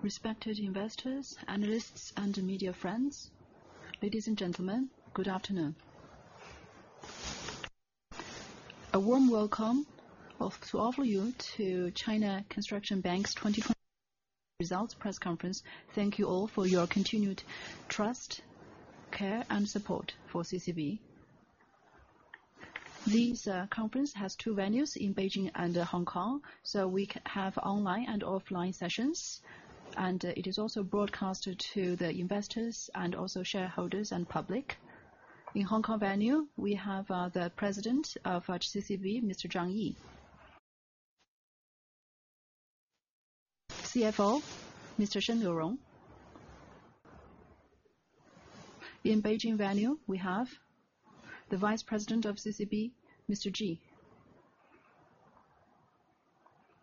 Respected investors, analysts, and media friends, ladies and gentlemen, good afternoon. A warm welcome to all of you to China Construction Bank's 2023 results press conference. Thank you all for your continued trust, care, and support for CCB. This conference has two venues in Beijing and Hong Kong, so we have online and offline sessions, and it is also broadcasted to the investors and also shareholders and public. In Hong Kong venue, we have the President of CCB, Mr. Zhang Yi; CFO, Mr. Sheng Liurong. In Beijing venue, we have the Vice President of CCB, Mr. Ji,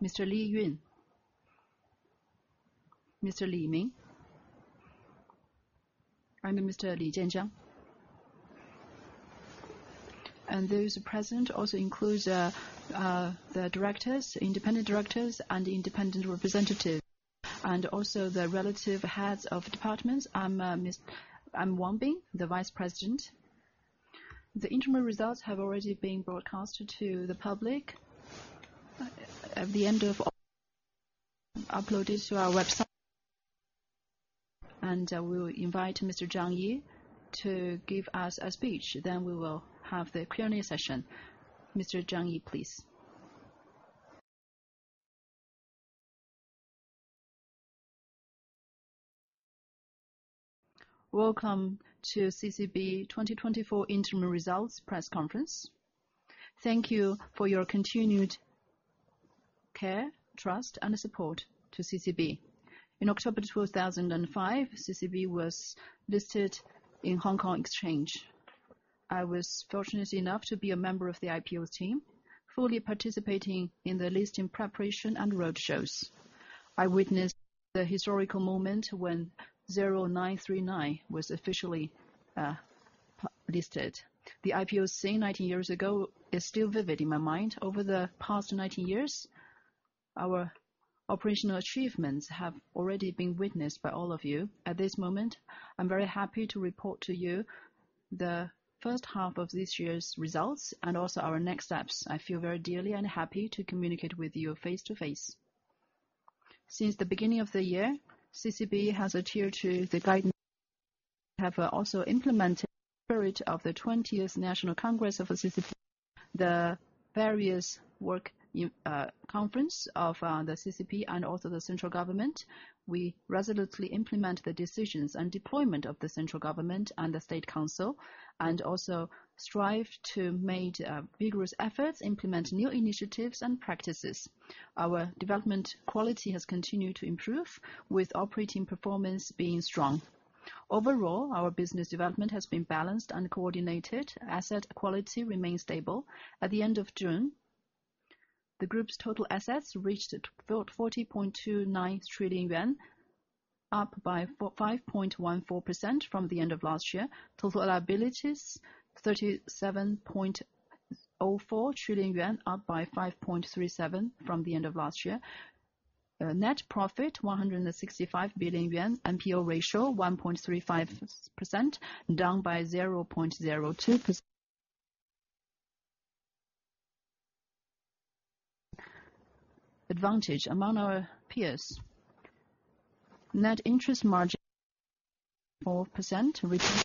Mr. Li Yun, Mr. Lei Ming, I mean Mr. Li Jianjiang. And those present also includes the directors, independent directors, and independent representatives, and also the relevant heads of departments. I'm Wang Bing, the vice president. The interim results have already been broadcasted to the public. At the end the session, of uploaded to our website, and we will invite Mr. Zhang Yi to give us a speech, then we will have the Q&A session. Mr. Zhang Yi, please. Welcome to CCB 2024 interim results press conference. Thank you for your continued care, trust, and support to CCB. In October 2005, CCB was listed in Hong Kong Exchange. I was fortunate enough to be a member of the IPO team, fully participating in the listing preparation and roadshows. I witnessed the historical moment when 0939 was officially listed. The IPO scene nineteen years ago is still vivid in my mind. Over the past nineteen years, our operational achievements have already been witnessed by all of you. At this moment, I'm very happy to report to you the first half of this year's results and also our next steps. I feel very deeply and happy to communicate with you face-to-face. Since the beginning of the year, CCB has adhered to the guidance, have also implemented spirit of the twentieth National Congress of CCP, the various work conferences of the CCP and also the central government. We resolutely implement the decisions and deployment of the central government and the State Council and also strive to make vigorous efforts, implement new initiatives and practices. Our development quality has continued to improve, with operating performance being strong. Overall, our business development has been balanced and coordinated. Asset quality remains stable. At the end of June, the group's total assets reached 40.29 trillion yuan, up 5.14% from the end of last year. Total liabilities, 37.04 trillion yuan, up 5.37% from the end of last year. Net profit, 165 billion yuan. NPL ratio, 1.35%, down 0.02%. Advantage among our peers. Net interest margin 4%.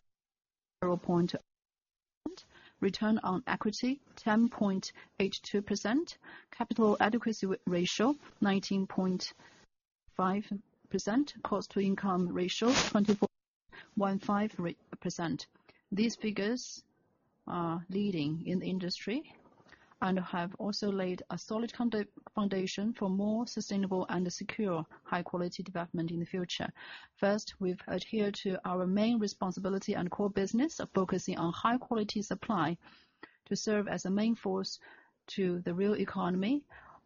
Return on equity 10.82%. Capital adequacy ratio 19.5%. Cost-to-income ratio 24.15%. These figures are leading in the industry and have also laid a solid foundation for more sustainable and a secure high-quality development in the future. First, we've adhered to our main responsibility and core business of focusing on high-quality supply to serve as a main force to the real economy.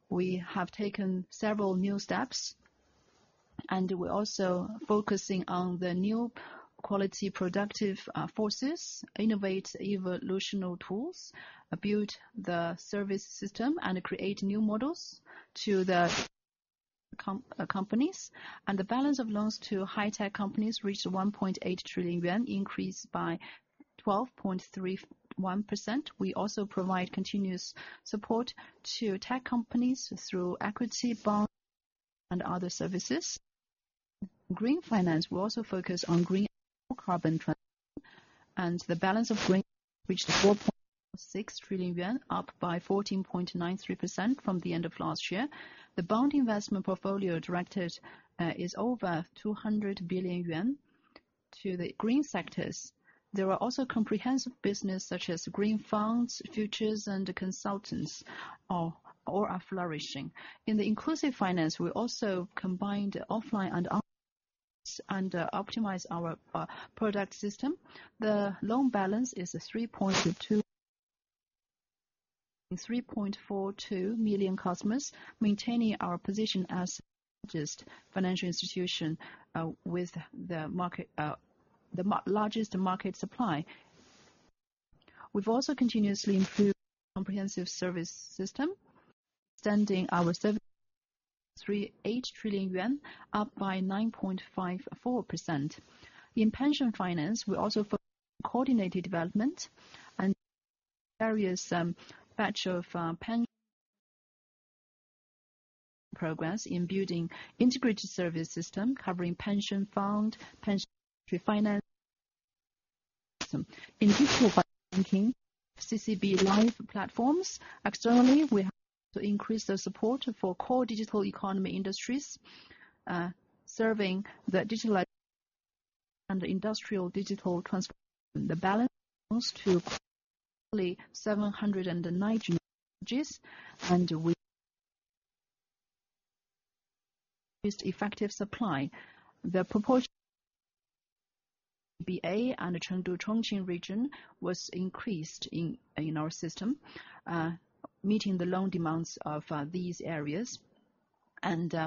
We have taken several new steps, and we're also focusing on the new quality productive forces, innovate evolutionary tools, build the service system, and create new models to the companies. The balance of loans to high-tech companies reached 1.8 trillion yuan, increased by 12.31%. We also provide continuous support to tech companies through equity, bond, and other services. Green finance, we also focus on green carbon transition, and the balance of green reached 4.6 trillion yuan, up by 14.93% from the end of last year. The bond investment portfolio directed is over 200 billion yuan to the green sectors. There are also comprehensive businesses, such as green funds, futures, and consultants. All are flourishing. In inclusive finance, we also combined offline and online and optimize our product system. The loan balance is 3.42 trillion for 3.2 million customers, maintaining our position as largest financial institution with the market the largest market supply. We've also continuously improved comprehensive service system, extending our service to 3.8 trillion yuan, up by 9.54%. In pension finance, we also coordinated development and various batch of pension progress in building integrated service system, covering pension fund, pension finance. In digital banking, CCB Life platforms. Externally, we have to increase the support for core digital economy industries, serving the digitalized and industrial digital transformation. The balance comes to only 790 billion CNY, and we most effectively supply. The proportion in Beijing and Chengdu-Chongqing region was increased in our system, meeting the loan demands of these areas.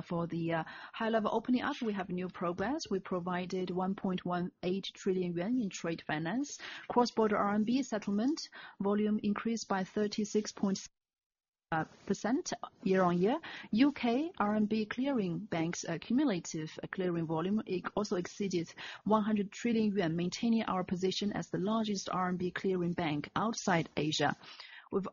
For the high-level opening up, we have new progress. We provided 1.18 trillion yuan in trade finance. Cross-border RMB settlement volume increased by 36.6% year on year. U.K. RMB clearing banks' cumulative clearing volume also exceeded 100 trillion yuan, maintaining our position as the largest RMB clearing bank outside Asia. We've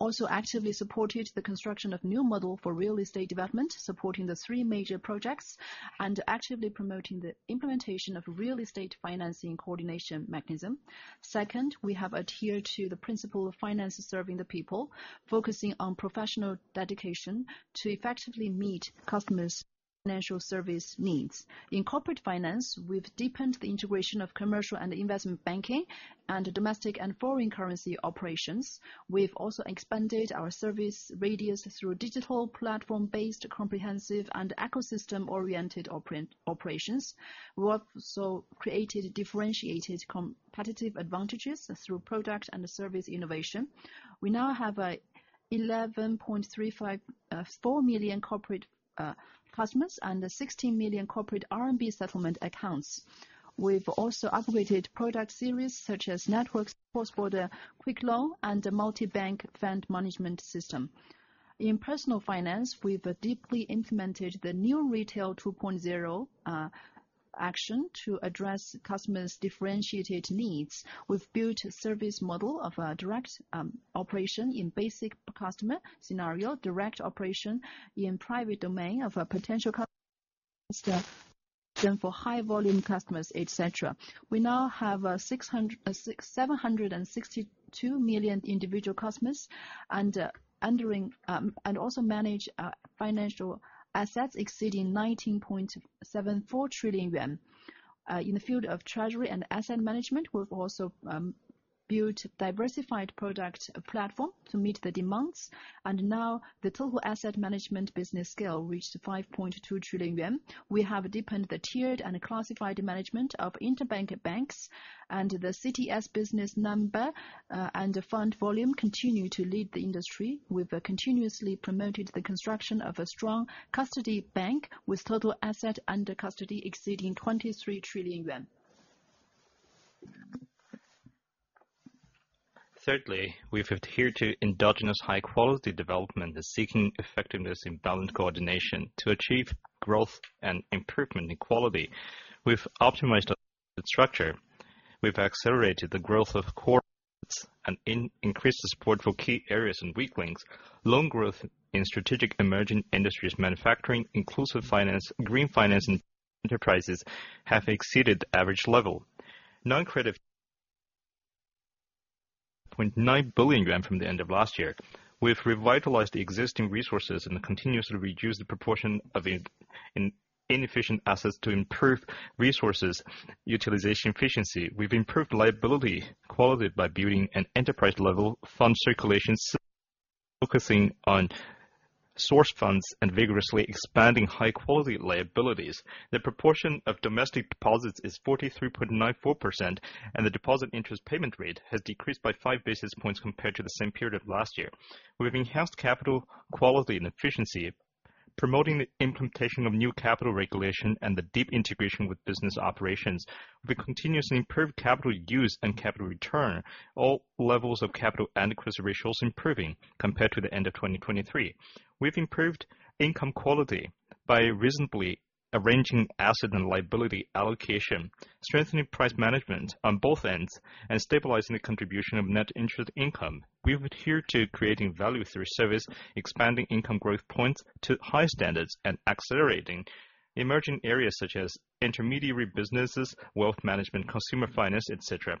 also actively supported the construction of new model for real estate development, supporting the Three Major Projects, and actively promoting the implementation of real estate financing coordination mechanism. Second, we have adhered to the principle of finance serving the people, focusing on professional dedication to effectively meet customers' financial service needs. In corporate finance, we've deepened the integration of commercial and investment banking and domestic and foreign currency operations. We've also expanded our service radius through digital platform-based, comprehensive and ecosystem-oriented operations. We've also created differentiated competitive advantages through product and service innovation. We now have 11.35 4 million corporate customers and 16 million corporate RMB settlement accounts. We've also upgraded product series such as networks, cross-border quick loan, and a multi-bank fund management system. In personal finance, we've deeply implemented the New Retail 2.0 action to address customers' differentiated needs. We've built a service model of direct operation in basic customer scenario, direct operation in private domain of a potential customer, then for high volume customers, et cetera. We now have six hundred and sixty-seven million individual customers and also manage financial assets exceeding 19.74 trillion yuan. In the field of treasury and asset management, we've also built diversified product platform to meet the demands, and now the total asset management business scale reached 5.2 trillion yuan. We have deepened the tiered and classified management of interbank banks, and the CIPS business number and the fund volume continue to lead the industry. We've continuously promoted the construction of a strong custody bank with total asset under custody exceeding 23 trillion yuan. Thirdly, we've adhered to endogenous high quality development, seeking effectiveness in balanced coordination to achieve growth and improvement in quality. We've optimized the structure. We've accelerated the growth of core and increased the support for key areas and weak links. Loan growth in strategic emerging industries, manufacturing, inclusive finance, green finance, and enterprises have exceeded the average level. Non-credit 0.9 billion yuan from the end of last year. We've revitalized the existing resources and continuously reduced the proportion of inefficient assets to improve resources utilization efficiency. We've improved liability quality by building an enterprise-level fund circulation, focusing on source funds and vigorously expanding high-quality liabilities. The proportion of domestic deposits is 43.94%, and the deposit interest payment rate has decreased by five basis points compared to the same period of last year. We've enhanced capital quality and efficiency, promoting the implementation of new capital regulation and the deep integration with business operations. We continuously improved capital use and capital return, all levels of capital adequacy ratios improving compared to the end of 2023. We've improved income quality by reasonably arranging asset and liability allocation, strengthening price management on both ends, and stabilizing the contribution of net interest income. We adhere to creating value through service, expanding income growth points to high standards, and accelerating emerging areas such as intermediary businesses, wealth management, consumer finance, et cetera.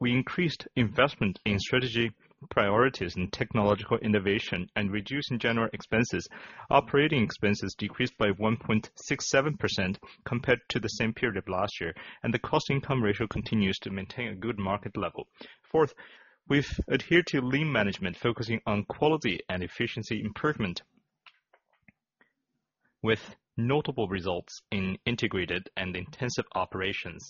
We increased investment in strategy priorities and technological innovation and reducing general expenses. Operating expenses decreased by 1.67% compared to the same period of last year, and the cost income ratio continues to maintain a good market level. Fourth, we've adhered to lean management, focusing on quality and efficiency improvement. With notable results in integrated and intensive operations.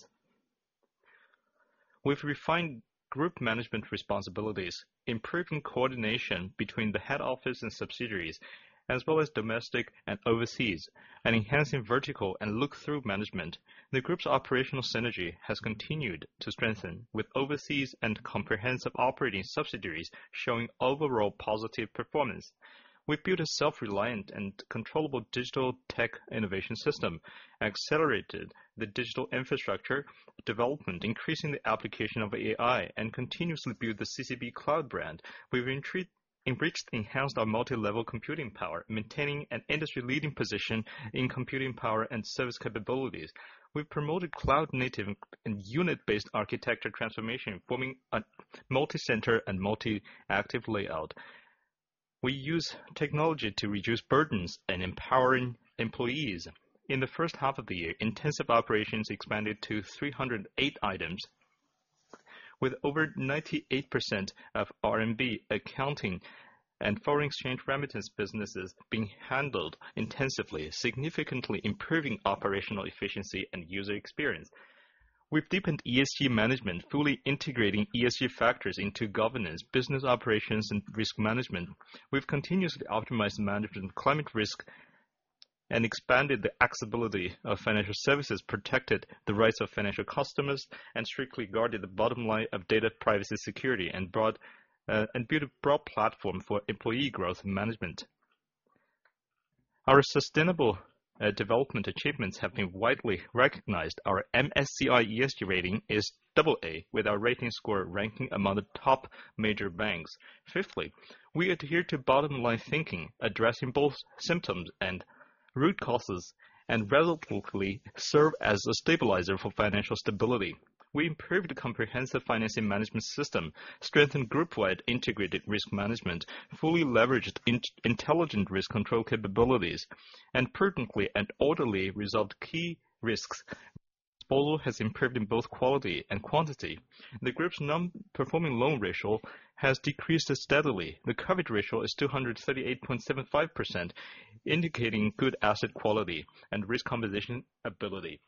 We've refined group management responsibilities, improving coordination between the head office and subsidiaries, as well as domestic and overseas, and enhancing vertical and look-through management. The group's operational synergy has continued to strengthen, with overseas and comprehensive operating subsidiaries showing overall positive performance. We've built a self-reliant and controllable digital tech innovation system, accelerated the digital infrastructure development, increasing the application of AI, and continuously built the CCB Cloud brand. We've integrated, enriched and enhanced our multilevel computing power, maintaining an industry-leading position in computing power and service capabilities. We've promoted cloud-native and unit-based architecture transformation, forming a multicenter and multi-active layout. We use technology to reduce burdens and empowering employees. In the first half of the year, intensive operations expanded to 308 items, with over 98% of RMB accounting and foreign exchange remittance businesses being handled intensively, significantly improving operational efficiency and user experience. We've deepened ESG management, fully integrating ESG factors into governance, business operations, and risk management. We've continuously optimized the management of climate risk and expanded the accessibility of financial services, protected the rights of financial customers, and strictly guarded the bottom line of data privacy security, and brought and built a broad platform for employee growth management. Our sustainable development achievements have been widely recognized. Our MSCI ESG rating is double A, with our rating score ranking among the top major banks. Fifthly, we adhere to bottom-line thinking, addressing both symptoms and root causes, and resolutely serve as a stabilizer for financial stability. We improved the comprehensive financing management system, strengthened group-wide integrated risk management, fully leveraged intelligent risk control capabilities, and prudently and orderly resolved key risks. Overall has improved in both quality and quantity. The group's non-performing loan ratio has decreased steadily. The coverage ratio is 238.75%, indicating good asset quality and risk compensation ability.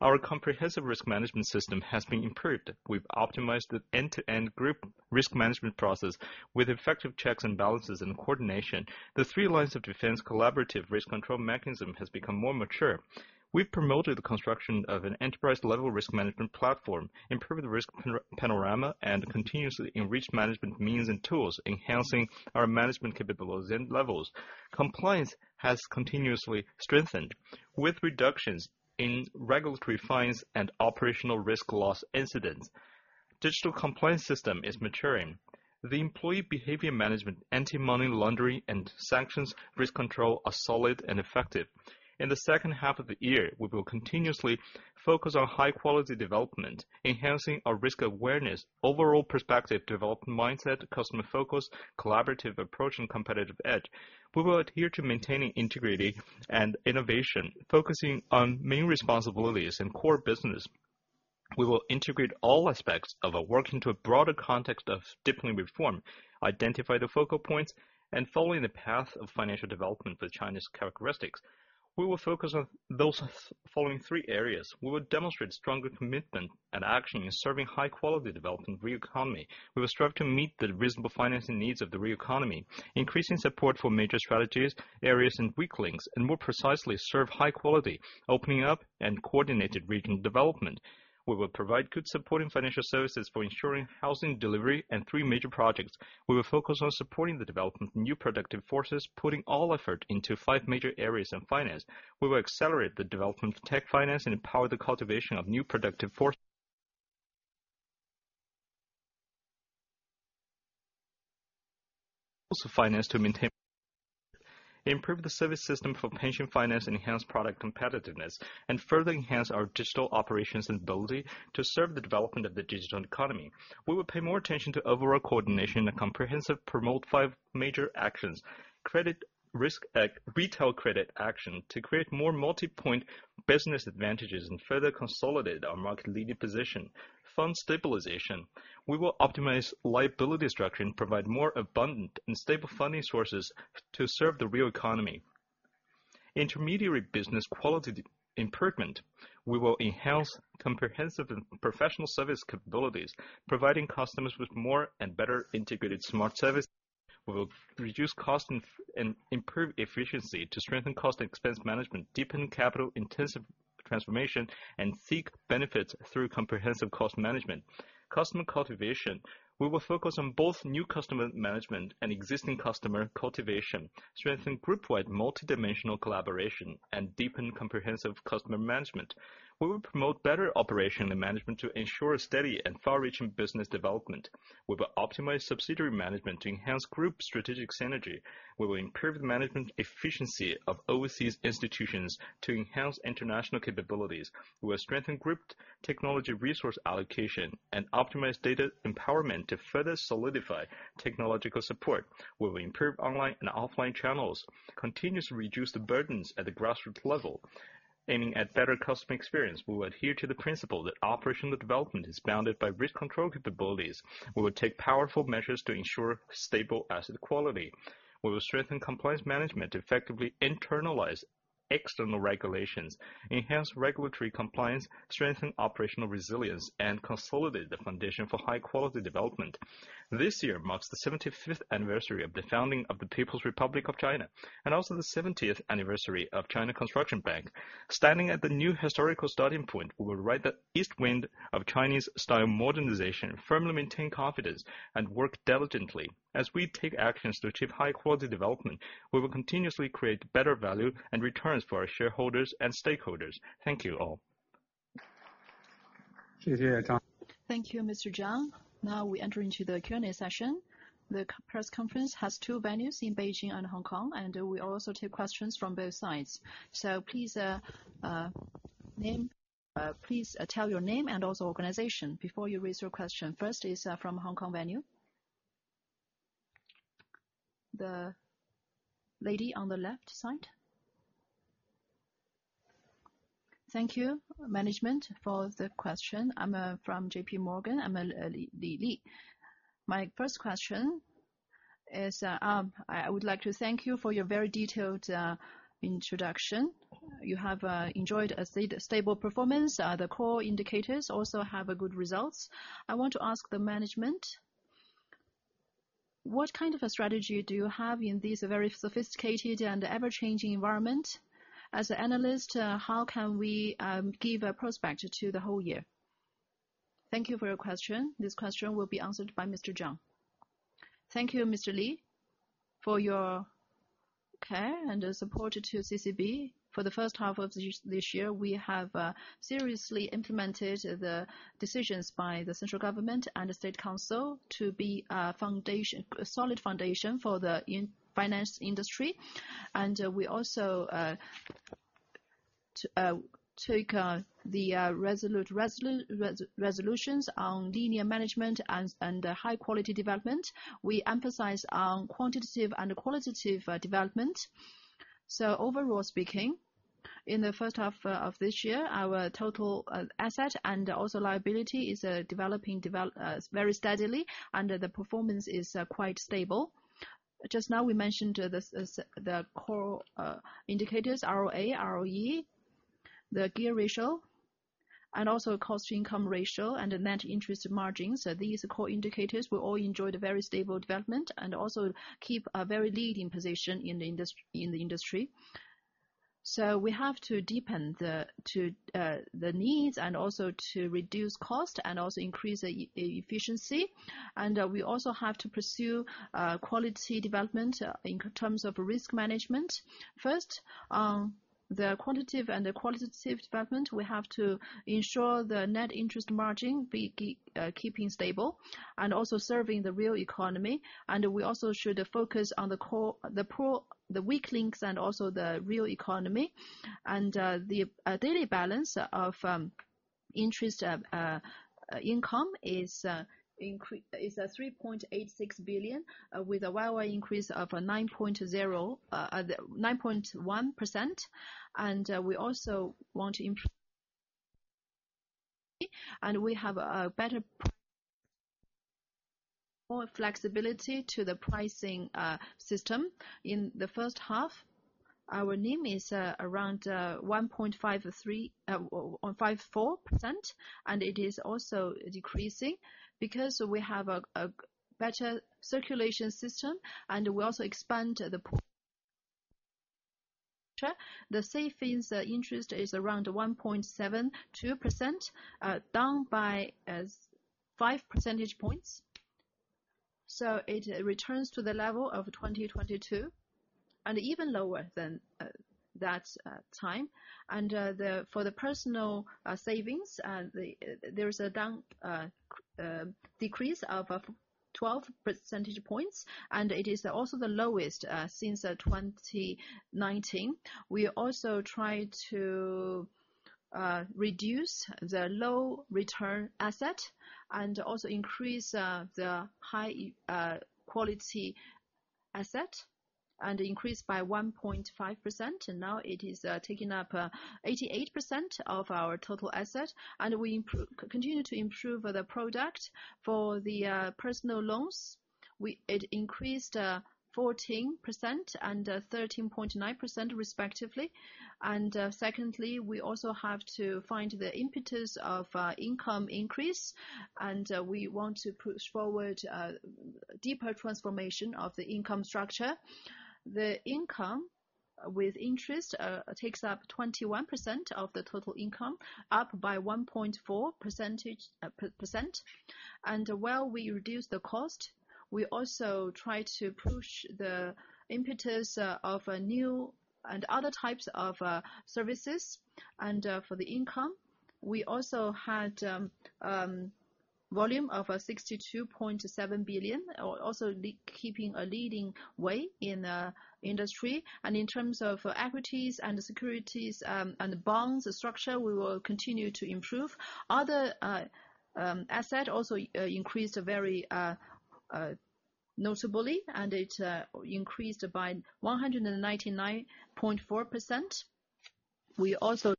Our comprehensive risk management system has been improved. We've optimized the end-to-end group risk management process with effective checks and balances and coordination. The three lines of defense collaborative risk control mechanism has become more mature. We've promoted the construction of an enterprise-level risk management platform, improved risk panorama, and continuously enriched management means and tools, enhancing our management capability and levels. Compliance has continuously strengthened, with reductions in regulatory fines and operational risk loss incidents. Digital compliance system is maturing. The employee behavior management, anti-money laundering, and sanctions risk control are solid and effective. In the second half of the year, we will continuously focus on high-quality development, enhancing our risk awareness, overall perspective, development mindset, customer focus, collaborative approach, and competitive edge. We will adhere to maintaining integrity and innovation, focusing on main responsibilities and core business. We will integrate all aspects of our work into a broader context of deepening reform, identify the focal points, and following the path of financial development with Chinese characteristics. We will focus on those following three areas. We will demonstrate stronger commitment and action in serving high-quality development real economy. We will strive to meet the reasonable financing needs of the real economy, increasing support for major strategies, areas and weak links, and more precisely serve high quality, opening up and coordinated regional development. We will provide good supporting financial services for ensuring housing delivery and Three Major Projects. We will focus on supporting the development of New Productive Forces, putting all effort into five major areas of finance. We will accelerate the development of tech finance and empower the cultivation of new productive force. Also, finance to maintain. Improve the service system for pension finance, and enhance product competitiveness, and further enhance our digital operations and ability to serve the development of the digital economy. We will pay more attention to overall coordination and comprehensive, promote five major actions, credit risk, retail credit action, to create more multipoint business advantages and further consolidate our market leading position. Fund stabilization. We will optimize liability structure and provide more abundant and stable funding sources to serve the real economy. Intermediary business quality improvement, we will enhance comprehensive and professional service capabilities, providing customers with more and better integrated smart service. We will reduce cost and improve efficiency to strengthen cost expense management, deepen capital-intensive transformation, and seek benefits through comprehensive cost management. Customer cultivation, we will focus on both new customer management and existing customer cultivation, strengthen group-wide multidimensional collaboration, and deepen comprehensive customer management. We will promote better operation and management to ensure steady and far-reaching business development. We will optimize subsidiary management to enhance group strategic synergy. We will improve the management efficiency of overseas institutions to enhance international capabilities. We will strengthen group technology, resource allocation, and optimize data empowerment to further solidify technological support. We will improve online and offline channels, continuously reduce the burdens at the grassroots level. ... aiming at better customer experience, we will adhere to the principle that operational development is bounded by risk control capabilities. We will take powerful measures to ensure stable asset quality. We will strengthen compliance management, effectively internalize external regulations, enhance regulatory compliance, strengthen operational resilience, and consolidate the foundation for high-quality development. This year marks the seventy-fifth anniversary of the founding of the People's Republic of China, and also the seventieth anniversary of China Construction Bank. Standing at the new historical starting point, we will ride the east wind of Chinese-style modernization, firmly maintain confidence, and work diligently. As we take actions to achieve high-quality development, we will continuously create better value and returns for our shareholders and stakeholders. Thank you all. Thank you, Mr. Zhang. Now we enter into the Q&A session. The press conference has two venues in Beijing and Hong Kong, and we also take questions from both sides. So please name, please tell your name and also organization before you raise your question. First is from Hong Kong venue. The lady on the left side. Thank you, management, for the question. I'm from J.P. Morgan. I'm Li Li. My first question is, I would like to thank you for your very detailed introduction. You have enjoyed a stable performance. The core indicators also have a good results. I want to ask the management, what kind of a strategy do you have in this very sophisticated and ever-changing environment? As an analyst, how can we give a prospect to the whole year? Thank you for your question. This question will be answered by Mr. Zhang. Thank you, Mr. Li, for your care and support to CCB. For the first half of this year, we have seriously implemented the decisions by the central government and the State Council to be a foundation, a solid foundation for the inclusive finance industry. And we also take the resolute resolutions on lean management and high-quality development. We emphasize on quantitative and qualitative development. So overall speaking, in the first half of this year, our total asset and also liability is developing very steadily, and the performance is quite stable. Just now, we mentioned the core indicators, ROA, ROE, the CAR, and also cost-to-income ratio, and the net interest margin. These core indicators will all enjoy the very stable development and also keep a very leading position in the industry. We have to deepen the needs and also to reduce cost, and also increase efficiency. We also have to pursue quality development in terms of risk management. First, the quantitative and the qualitative development, we have to ensure the net interest margin be keeping stable and also serving the real economy. We also should focus on the core, the poor, the weak links, and also the real economy. The daily balance of interest income is 3.86 billion with a year-over-year increase of 9.1%. We also want to improve... We have a better more flexibility to the pricing system. In the first half, our NIM is around 1.5354%, and it is also decreasing because we have a better circulation system, and we also expand the... The savings interest is around 1.72%, down by five percentage points. So it returns to the level of 2022, and even lower than that time. For the personal savings, there's a down decrease of twelve percentage points, and it is also the lowest since 2019. We also try to reduce the low return asset and also increase the high quality asset, and increase by 1.5%, and now it is taking up 88% of our total asset. And we continue to improve the product. For the personal loans, it increased 14% and 13.9% respectively. And secondly, we also have to find the impetus of income increase, and we want to push forward deeper transformation of the income structure. The income with interest takes up 21% of the total income, up by 1.4 percentage points. And while we reduce the cost, we also try to push the impetus of new and other types of services. For the income, we also had volume of 62.7 billion, also keeping a leading way in industry. In terms of equities and securities, and bonds structure, we will continue to improve. Other asset also increased very notably, and it increased by 199.4%. We also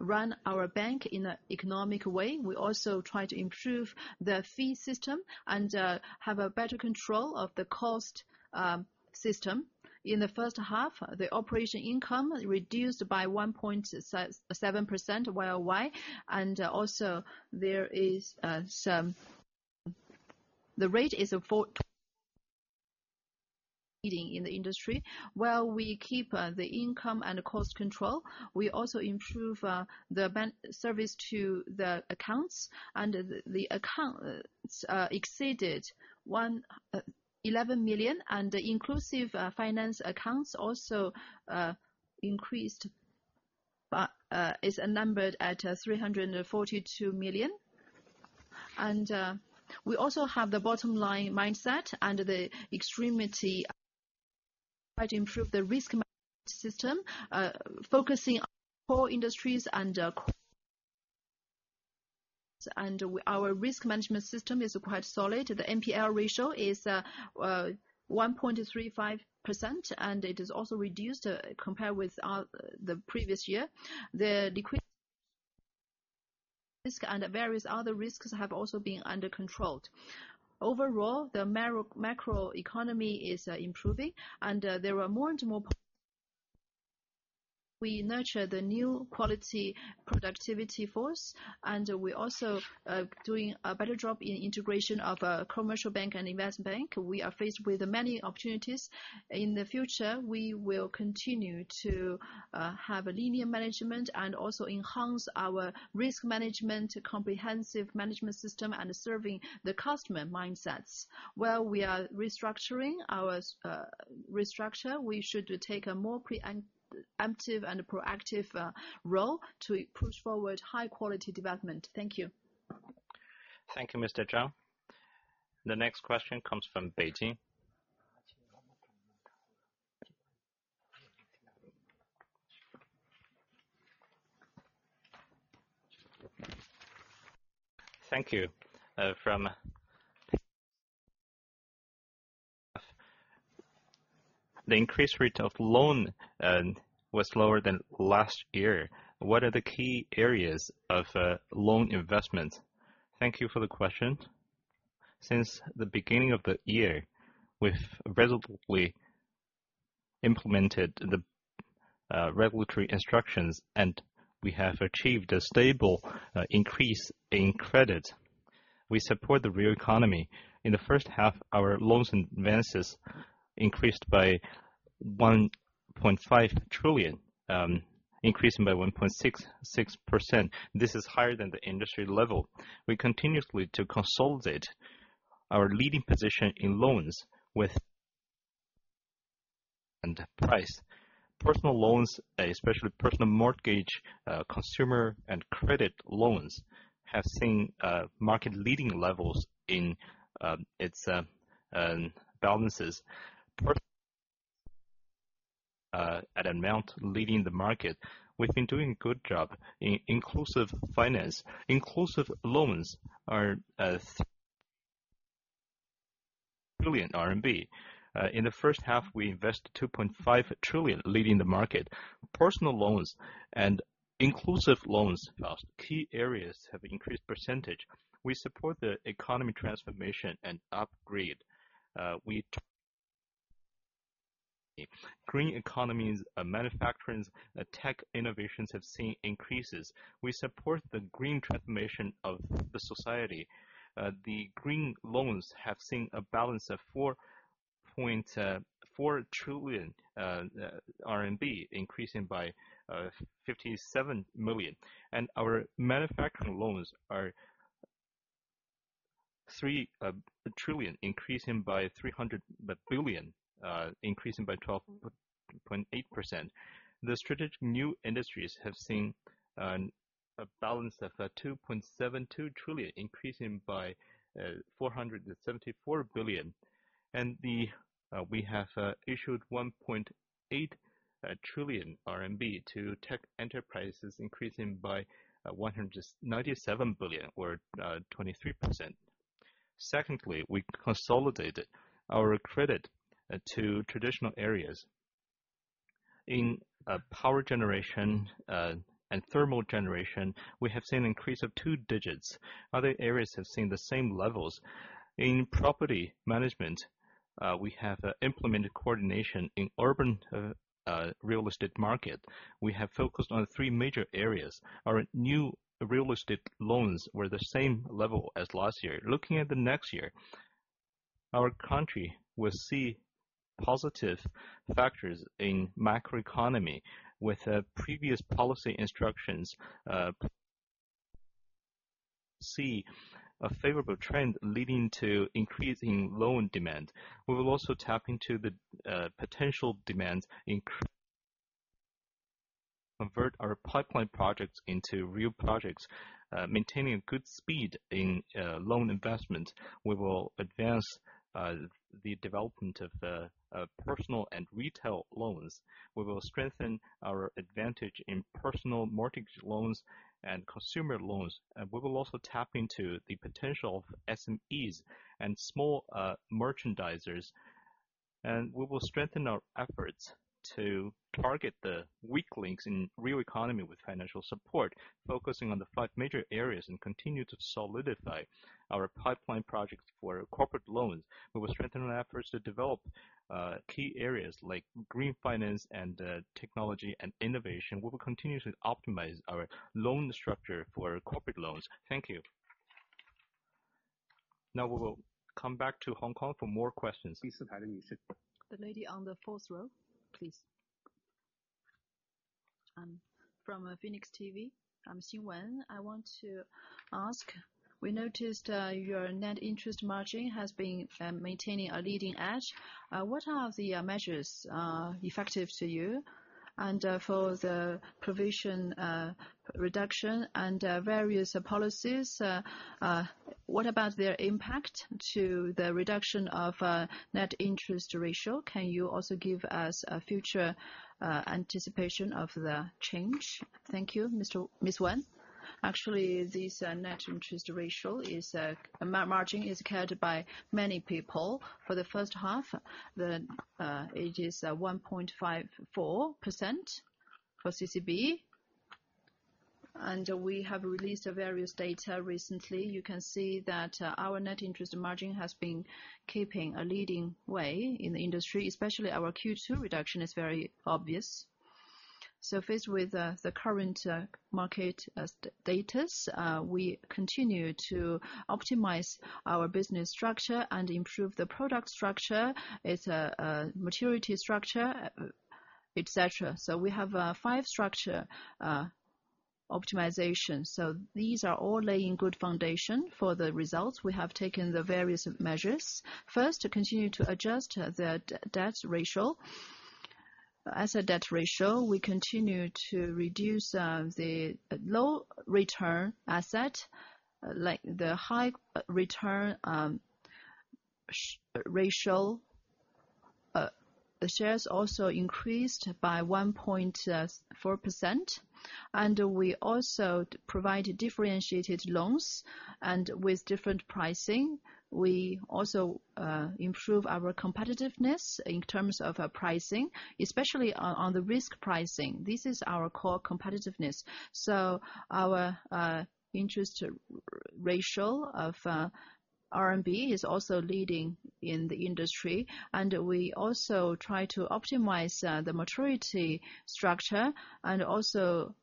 run our bank in an economic way. We also try to improve the fee system and have a better control of the cost system. In the first half, the operation income reduced by 1.7% Y-o-Y, and also there is some. The rate is a four in the industry. While we keep the income and cost control, we also improve the bank service to the accounts, and the accounts exceeded 111 million, and the inclusive finance accounts also increased, but is numbered at 342 million. And we also have the bottom line mindset and the extremity, try to improve the risk system, focusing on core industries and our risk management system is quite solid. The NPL ratio is 1.35%, and it is also reduced compared with the previous year. The liquidity risk and various other risks have also been under control. Overall, the macro economy is improving, and there are more and more... We nurture the new quality productive forces, and we're also doing a better job in integration of commercial bank and investment bank. We are faced with many opportunities. In the future, we will continue to have a linear management and also enhance our risk management, comprehensive management system and serving the customer mindsets. While we are restructuring our restructure, we should take a more preemptive and proactive role to push forward high-quality development. Thank you. Thank you, Mr. Zhang. The next question comes from Beijing. Thank you. The increased rate of loan was lower than last year. What are the key areas of loan investment? Thank you for the question. Since the beginning of the year, we've resolutely implemented the regulatory instructions, and we have achieved a stable increase in credit. We support the real economy. In the first half, our loans advances increased by 1.5 trillion RMB, increasing by 1.66%. This is higher than the industry level. We continuously to consolidate our leading position in loans with and price. Personal loans, especially personal mortgage, consumer and credit loans, have seen market leading levels in its balances. Per at amount leading the market, we've been doing a good job in inclusive finance. Inclusive loans are trillion RMB. In the first half, we invested 2.5 trillion, leading the market. Personal loans and inclusive loans are key areas have increased percentage. We support the economy transformation and upgrade. Green economies, manufacturing, tech innovations have seen increases. We support the green transformation of the society. The green loans have seen a balance of 4.4 trillion RMB, increasing by 57 million. And our manufacturing loans are 3 trillion, increasing by 300 billion, increasing by 12.8%. The strategic new industries have seen a balance of 2.72 trillion, increasing by 474 billion. And we have issued 1.8 trillion RMB to tech enterprises, increasing by 197 billion or 23%. Secondly, we consolidated our credit to traditional areas. In power generation and thermal generation, we have seen an increase of two digits. Other areas have seen the same levels. In property management, we have implemented coordination. In urban real estate market, we have focused on Three Major Projects. Our new real estate loans were the same level as last year. Looking at the next year, our country will see positive factors in macroeconomy, with the previous policy instructions, see a favorable trend leading to increasing loan demand. We will also tap into the potential demands, convert our pipeline projects into real projects, maintaining a good speed in loan investment. We will advance the development of the personal and retail loans. We will strengthen our advantage in personal mortgage loans and consumer loans, and we will also tap into the potential SMEs and small merchandisers, and we will strengthen our efforts to target the weak links in real economy with financial support, focusing on the five major areas, and continue to solidify our pipeline projects for corporate loans. We will strengthen our efforts to develop key areas like green finance and technology and innovation. We will continue to optimize our loan structure for corporate loans. Thank you. Now, we will come back to Hong Kong for more questions. The lady on the fourth row, please. From Phoenix TV. I'm Xin Wen. I want to ask, we noticed your net interest margin has been maintaining a leading edge. What are the measures effective to you? And for the provision reduction and various policies, what about their impact to the reduction of net interest ratio? Can you also give us a future anticipation of the change? Thank you, Ms. Shen. Actually, this net interest margin is cared by many people. For the first half, it is 1.54% for CCB, and we have released various data recently. You can see that our net interest margin has been keeping a leading way in the industry, especially our Q2 reduction is very obvious. Faced with the current market status data, we continue to optimize our business structure and improve the product structure, its maturity structure, et cetera. We have five structure optimization. These are all laying good foundation for the results. We have taken the various measures. First, to continue to adjust the debt ratio. As a debt ratio, we continue to reduce the low return asset like the high return share ratio. The shares also increased by 1.4%, and we also provided differentiated loans and with different pricing. We also improve our competitiveness in terms of pricing, especially on the risk pricing. This is our core competitiveness. Our interest ratio of RMB is also leading in the industry, and we also try to optimize the maturity structure, and also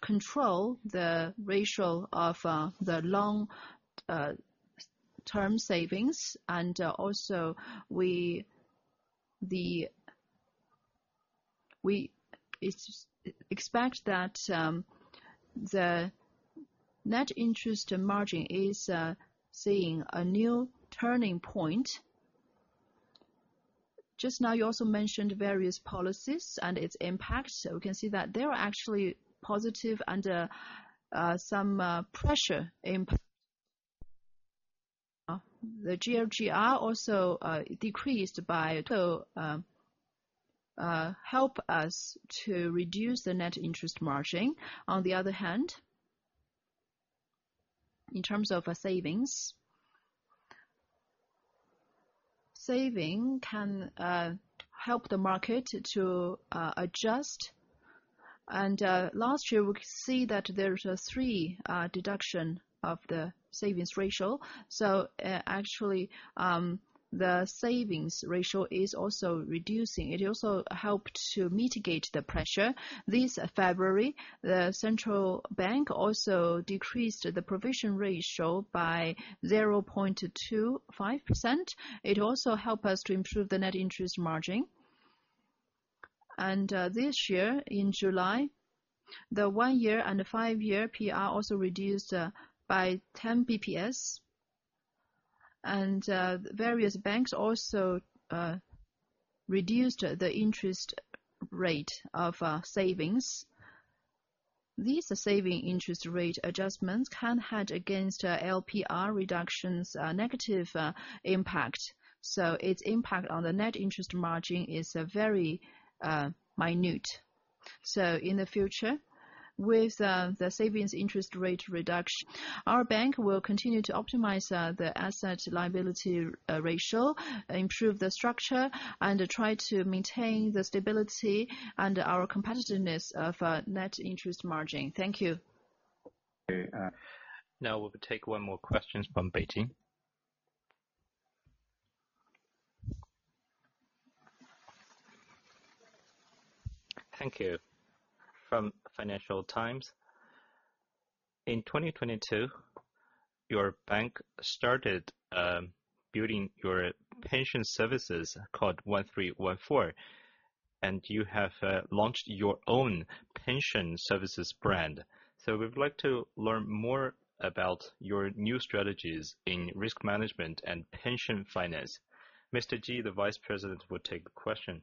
control the ratio of the long-term savings. We also expect that the net interest margin is seeing a new turning point. Just now, you also mentioned various policies and its impact, so we can see that they are actually positive and some pressure impact. The LPR also decreased, so help us to reduce the net interest margin. On the other hand, in terms of savings, saving can help the market to adjust. Last year, we could see that there was three deduction of the savings ratio. Actually, the savings ratio is also reducing. It also helped to mitigate the pressure. This February, the central bank also decreased the provision ratio by 0.25%. It also helped us to improve the net interest margin. And this year, in July, the one-year and the five-year LPR also reduced by ten basis points. And various banks also reduced the interest rate of savings. These savings interest rate adjustments can hedge against LPR reductions negative impact, so its impact on the net interest margin is a very minute. So in the future, with the savings interest rate reduction, our bank will continue to optimize the asset liability ratio, improve the structure, and try to maintain the stability and our competitiveness of net interest margin. Thank you. Okay, now we'll take one more questions from Beijing. Thank you. From Financial Times. In 2022, your bank started building your pension services called ''1314'' and you have launched your own pension services brand, so we'd like to learn more about your new strategies in risk management and pension finance. Mr. Ji, the Vice President, will take the question.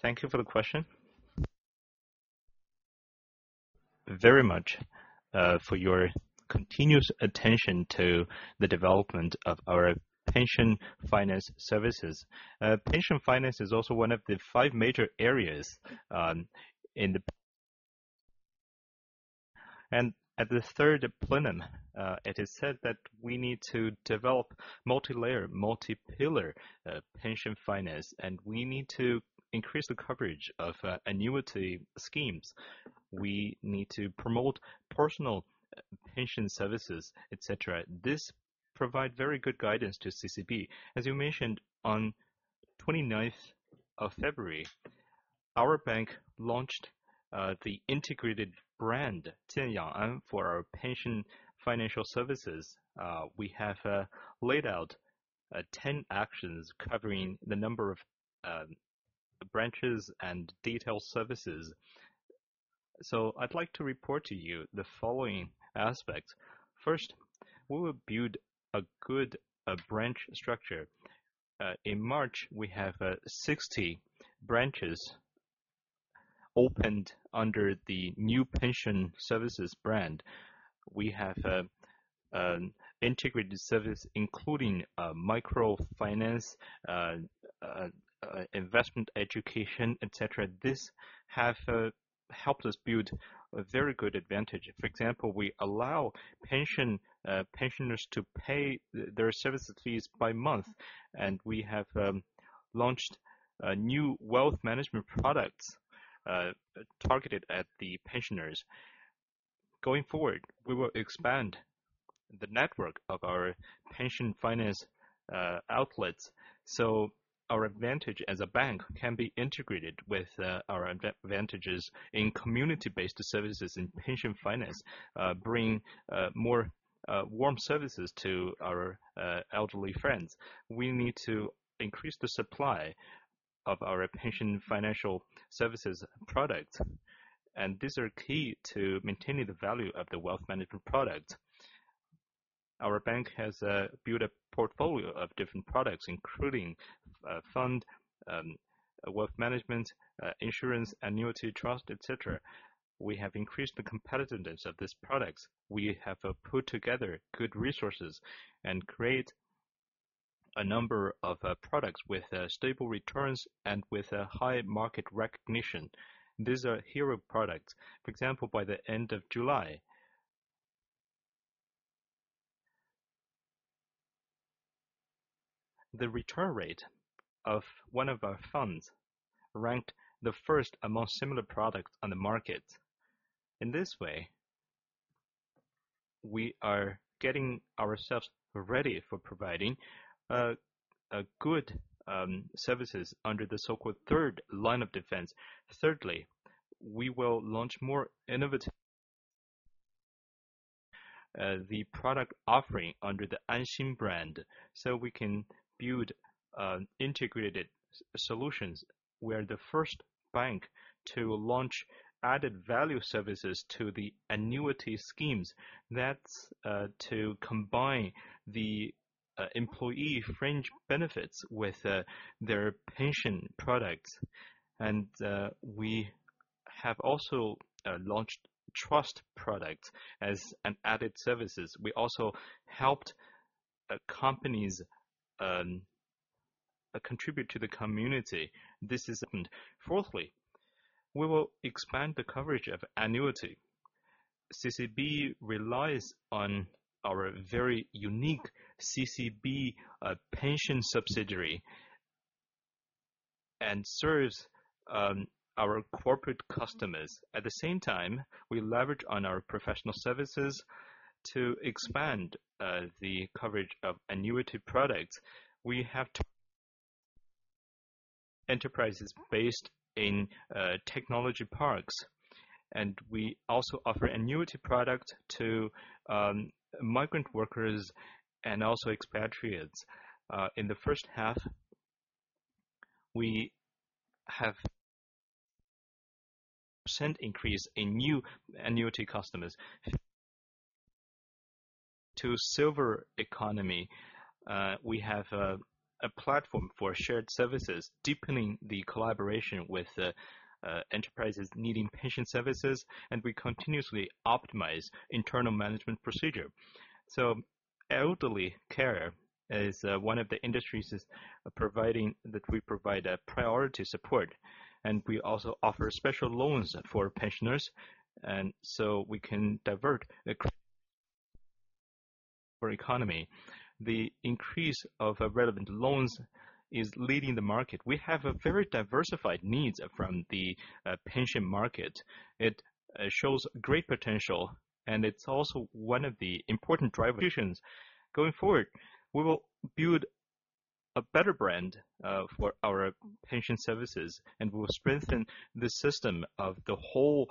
Thank you for the question.... very much for your continuous attention to the development of our pension finance services. Pension finance is also one of the five major areas, and at the Third Plenum, it is said that we need to develop multi-layer, multi-pillar pension finance, and we need to increase the coverage of annuity schemes. We need to promote personal pension services, et cetera. This provide very good guidance to CCB. As you mentioned, on twenty-ninth of February, our bank launched the integrated brand, Jian Yang, for our pension financial services. We have laid out 10 actions covering the number of branches and detailed services. So I'd like to report to you the following aspects. First, we will build a good branch structure. In March, we have 60 branches opened under the new pension services brand. We have integrated service, including microfinance, investment education, et cetera. This have helped us build a very good advantage. For example, we allow pension pensioners to pay their service fees by month, and we have launched new wealth management products targeted at the pensioners. Going forward, we will expand the network of our pension finance outlets, so our advantage as a bank can be integrated with our advantages in community-based services, in pension finance, bring more warm services to our elderly friends. We need to increase the supply of our pension financial services product, and these are key to maintaining the value of the wealth management product. Our bank has built a portfolio of different products, including fund wealth management, insurance, annuity, trust, et cetera. We have increased the competitiveness of these products. We have put together good resources and create a number of products with stable returns and with a high market recognition. These are hero products. For example, by the end of July, the return rate of one of our funds ranked the first among similar products on the market. In this way, we are getting ourselves ready for providing a good services under the so-called third line of defense. Thirdly, we will launch more innovative product offering under the Anxin brand, so we can build integrated solutions. We are the first bank to launch added value services to the annuity schemes. That's to combine the employee fringe benefits with their pension products, and we have also launched trust products as an added services. We also helped companies contribute to the community. Fourthly, we will expand the coverage of annuity. CCB relies on our very unique CCB pension subsidiary, and serves our corporate customers. At the same time, we leverage on our professional services to expand the coverage of annuity products. We have enterprises based in technology parks, and we also offer annuity products to migrant workers and also expatriates. In the first half, we have seen increase in new annuity customers. To silver economy, we have a platform for shared services, deepening the collaboration with the enterprises needing pension services, and we continuously optimize internal management procedure. Elderly care is one of the industries that we provide a priority support, and we also offer special loans for pensioners, and so we can divert the credit for the economy. The increase of relevant loans is leading the market. We have a very diversified needs from the pension market. It shows great potential, and it is also one of the important drivers. Going forward, we will build a better brand for our pension services, and we will strengthen the system of the whole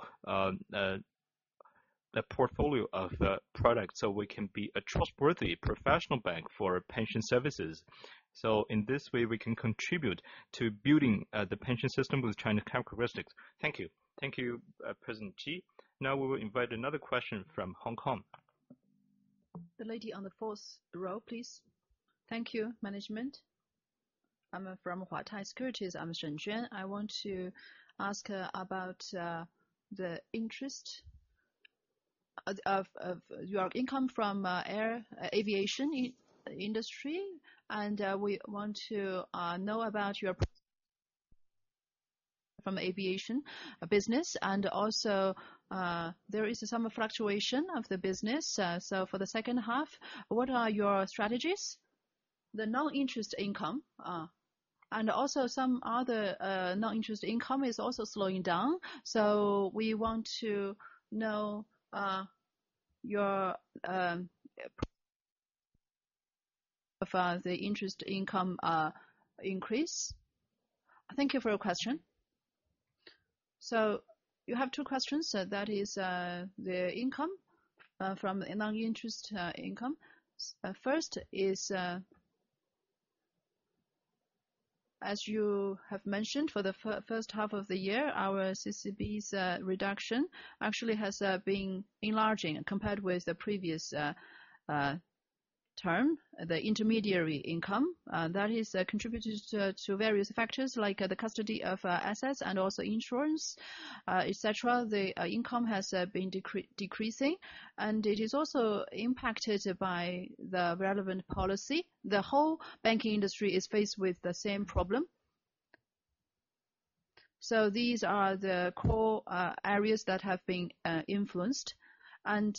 portfolio of the product, so we can be a trustworthy professional bank for pension services. In this way, we can contribute to building the pension system with China characteristics. Thank you. Thank you, President Ji. Now, we will invite another question from Hong Kong.... The lady on the fourth row, please. Thank you, management. I'm from Huatai Securities. I'm Shen Juan. I want to ask about the interest income from the aviation industry. We want to know about your aviation business, and also there is some fluctuation of the business. For the second half, what are your strategies? The non-interest income, and also some other non-interest income is also slowing down. We want to know your interest income increase. Thank you for your question. You have two questions. That is the income from non-interest income. First is, as you have mentioned, for the first half of the year, our CCB's reduction actually has been enlarging compared with the previous term. The intermediary income that is attributed to various factors like the custody of assets and also insurance et cetera. The income has been decreasing, and it is also impacted by the relevant policy. The whole banking industry is faced with the same problem. So these are the core areas that have been influenced, and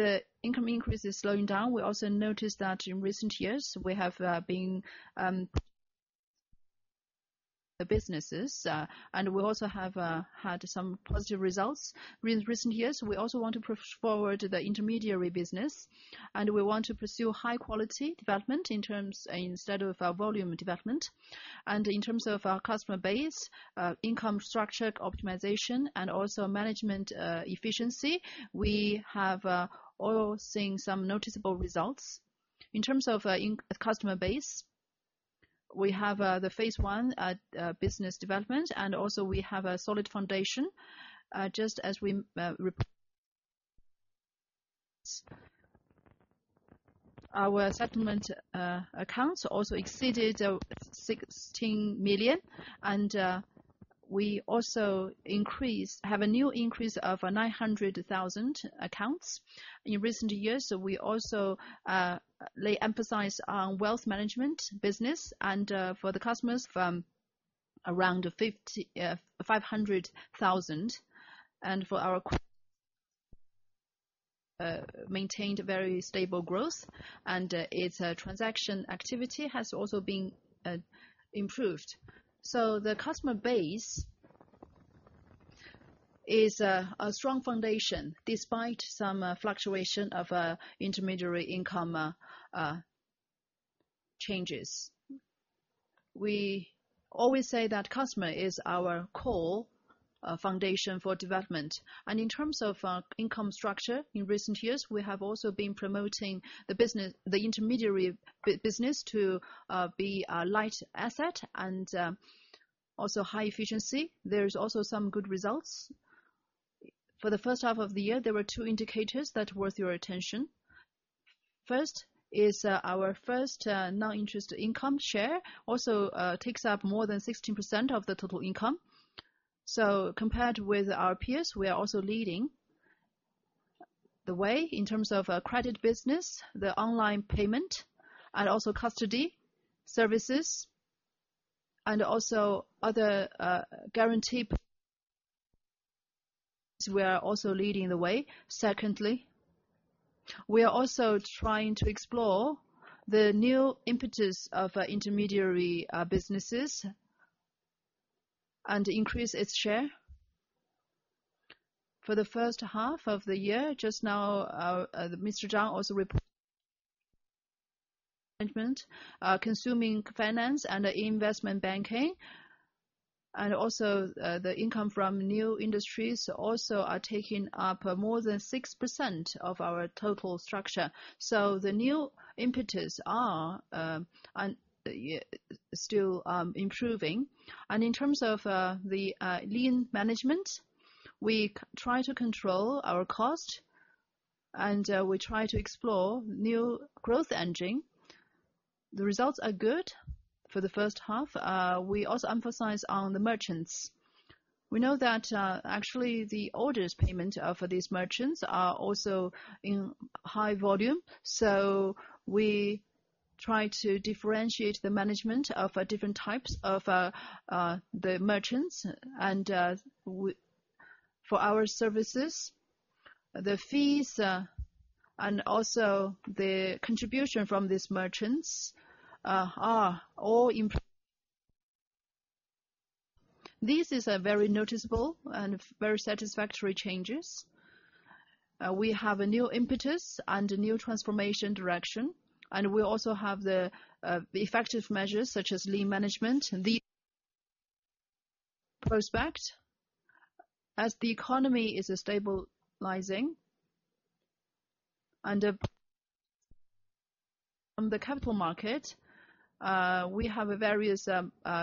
the income increase is slowing down. We also noticed that in recent years, we have been the businesses, and we also have had some positive results recent years. We also want to push forward the intermediary business, and we want to pursue high quality development in terms of instead of volume development. In terms of our customer base, income structure optimization, and also management efficiency, we have all seen some noticeable results. In terms of customer base, we have the phase one business development, and also we have a solid foundation, just as our settlement accounts also exceeded 16 million, and we also have a new increase of 900,000 accounts. In recent years, we also place emphasis on wealth management business and for the customers from around 550,000. And ours maintained very stable growth, and its transaction activity has also been improved. So the customer base is a strong foundation, despite some fluctuation of intermediary income changes. We always say that customer is our core foundation for development. And in terms of income structure in recent years, we have also been promoting the business, the intermediary business to be a light asset and also high efficiency. There's also some good results. For the first half of the year, there were two indicators that are worth your attention. First is our non-interest income share also takes up more than 16% of the total income. So compared with our peers, we are also leading the way in terms of credit business, the online payment, and also custody services, and also other guarantee. We are also leading the way. Secondly, we are also trying to explore the new impetus of intermediary businesses and increase its share. For the first half of the year, just now, Mr. Zhang also reported consumer finance and investment banking, and also the income from new industries also are taking up more than 6% of our total structure. So the new impetus are still improving. And in terms of the lean management, we try to control our cost, and we try to explore new growth engine. The results are good for the first half. We also emphasize on the merchants. We know that actually the orders payment for these merchants are also in high volume, so we try to differentiate the management of different types of the merchants. For our services, the fees and also the contribution from these merchants are all improved. This is a very noticeable and very satisfactory changes. We have a new impetus and a new transformation direction, and we also have the effective measures, such as lean management. The prospect, as the economy is stabilizing and, on the capital market, we have various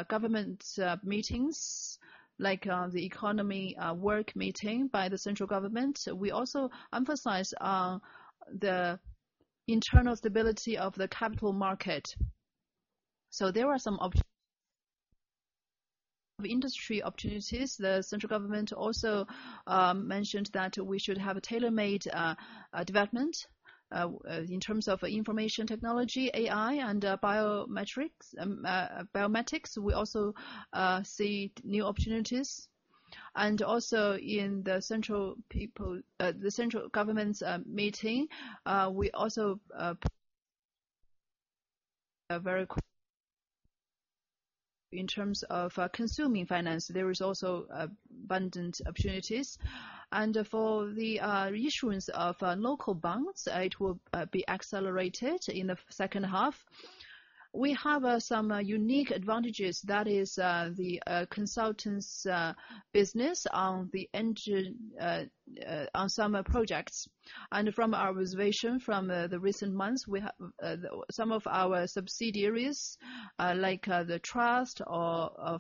government meetings, like the economy work meeting by the central government. We also emphasize the internal stability of the capital market. There are some industry opportunities. The central government also mentioned that we should have a tailor-made development in terms of information technology, AI, and biometrics. We also see new opportunities. Also, in the central people's, the central government's meeting, we also, in terms of consuming finance, there is also abundant opportunities. For the issuance of local banks, it will be accelerated in the second half. We have some unique advantages. That is, the consultants business on the engine, on some projects. From our observation from the recent months, we have some of our subsidiaries, like the trust or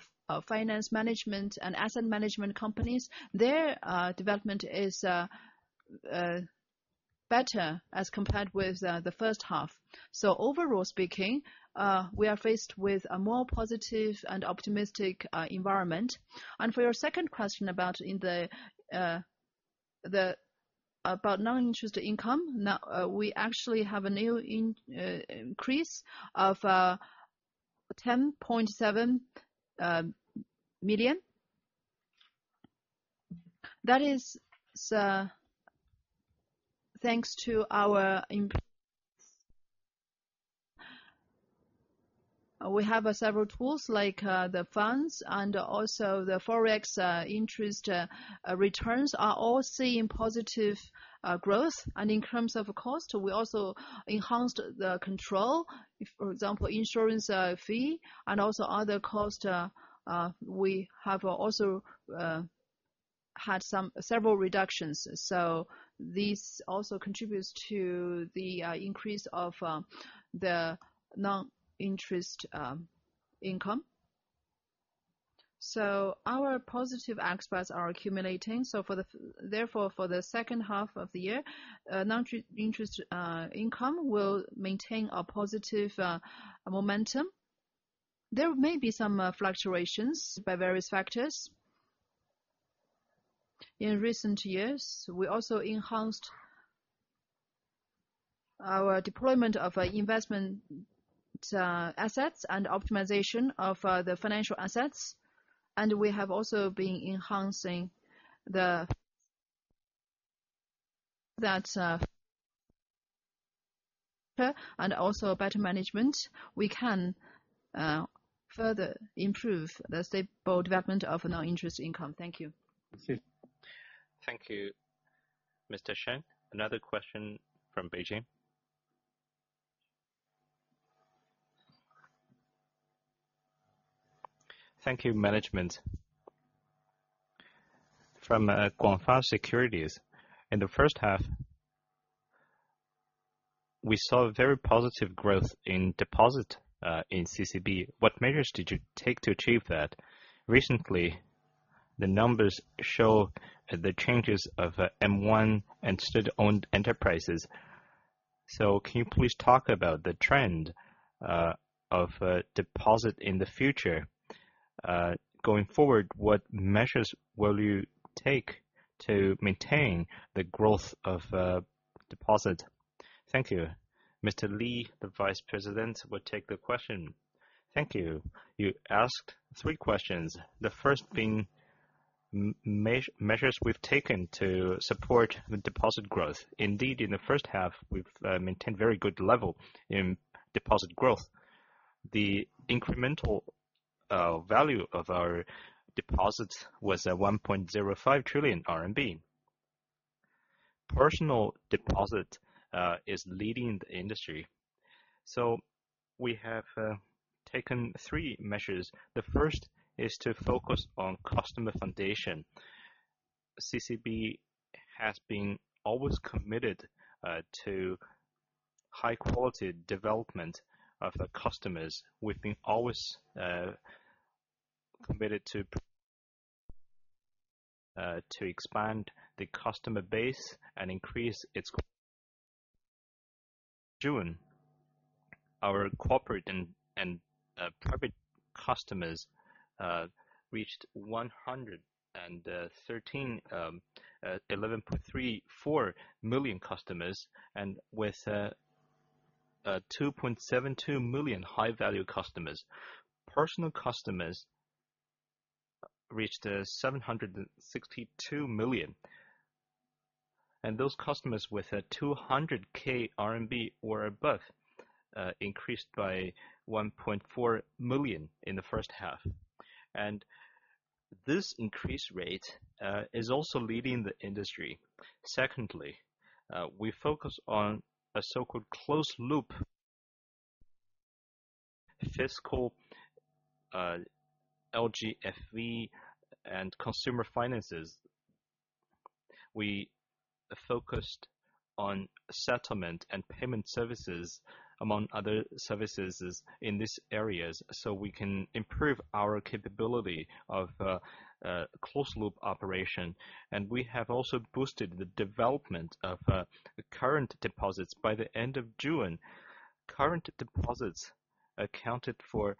finance management and asset management companies, their development is better as compared with the first half. Overall speaking, we are faced with a more positive and optimistic environment. For your second question about the non-interest income, now we actually have an increase of 10.7 million. That is thanks to our. We have several tools, like the funds and also the forex interest returns, are all seeing positive growth. And in terms of cost, we also enhanced the control. For example, insurance fee, and also other cost, we have also had several reductions. So this also contributes to the increase of the non-interest income. So our positive aspects are accumulating. So therefore, for the second half of the year, non-interest income will maintain a positive momentum. There may be some fluctuations by various factors. In recent years, we also enhanced our deployment of investment assets and optimization of the financial assets, and we have also been enhancing that and also better management. We can further improve the stable development of non-interest income. Thank you. Thank you. Thank you, Mr. Sheng. Another question from Beijing. Thank you, management. From Guangfa Securities, in the first half, we saw a very positive growth in deposit in CCB. What measures did you take to achieve that? Recently, the numbers show the changes of M1 and state-owned enterprises. So can you please talk about the trend of deposit in the future? Going forward, what measures will you take to maintain the growth of deposit? Thank you. Mr. Li, the Vice President, will take the question. Thank you. You asked three questions. The first being measures we've taken to support the deposit growth. Indeed, in the first half, we've maintained very good level in deposit growth. The incremental value of our deposits was at CNY 1.05 trillion. Personal deposit is leading the industry, so we have taken three measures. The first is to focus on customer foundation. CCB has been always committed to high quality development of the customers. We've been always committed to expand the customer base and increase its size. Our corporate and private customers reached 113.4 million customers, and with 2.72 million high-value customers. Personal customers reached 762 million, and those customers with 200,000 RMB or above increased by 1.4 million in the first half. This increase rate is also leading the industry. Secondly, we focus on a so-called closed loop fiscal, LGFV and consumer finances. We focused on settlement and payment services, among other services, in these areas, so we can improve our capability of close loop operation. We have also boosted the development of current deposits. By the end of June, current deposits accounted for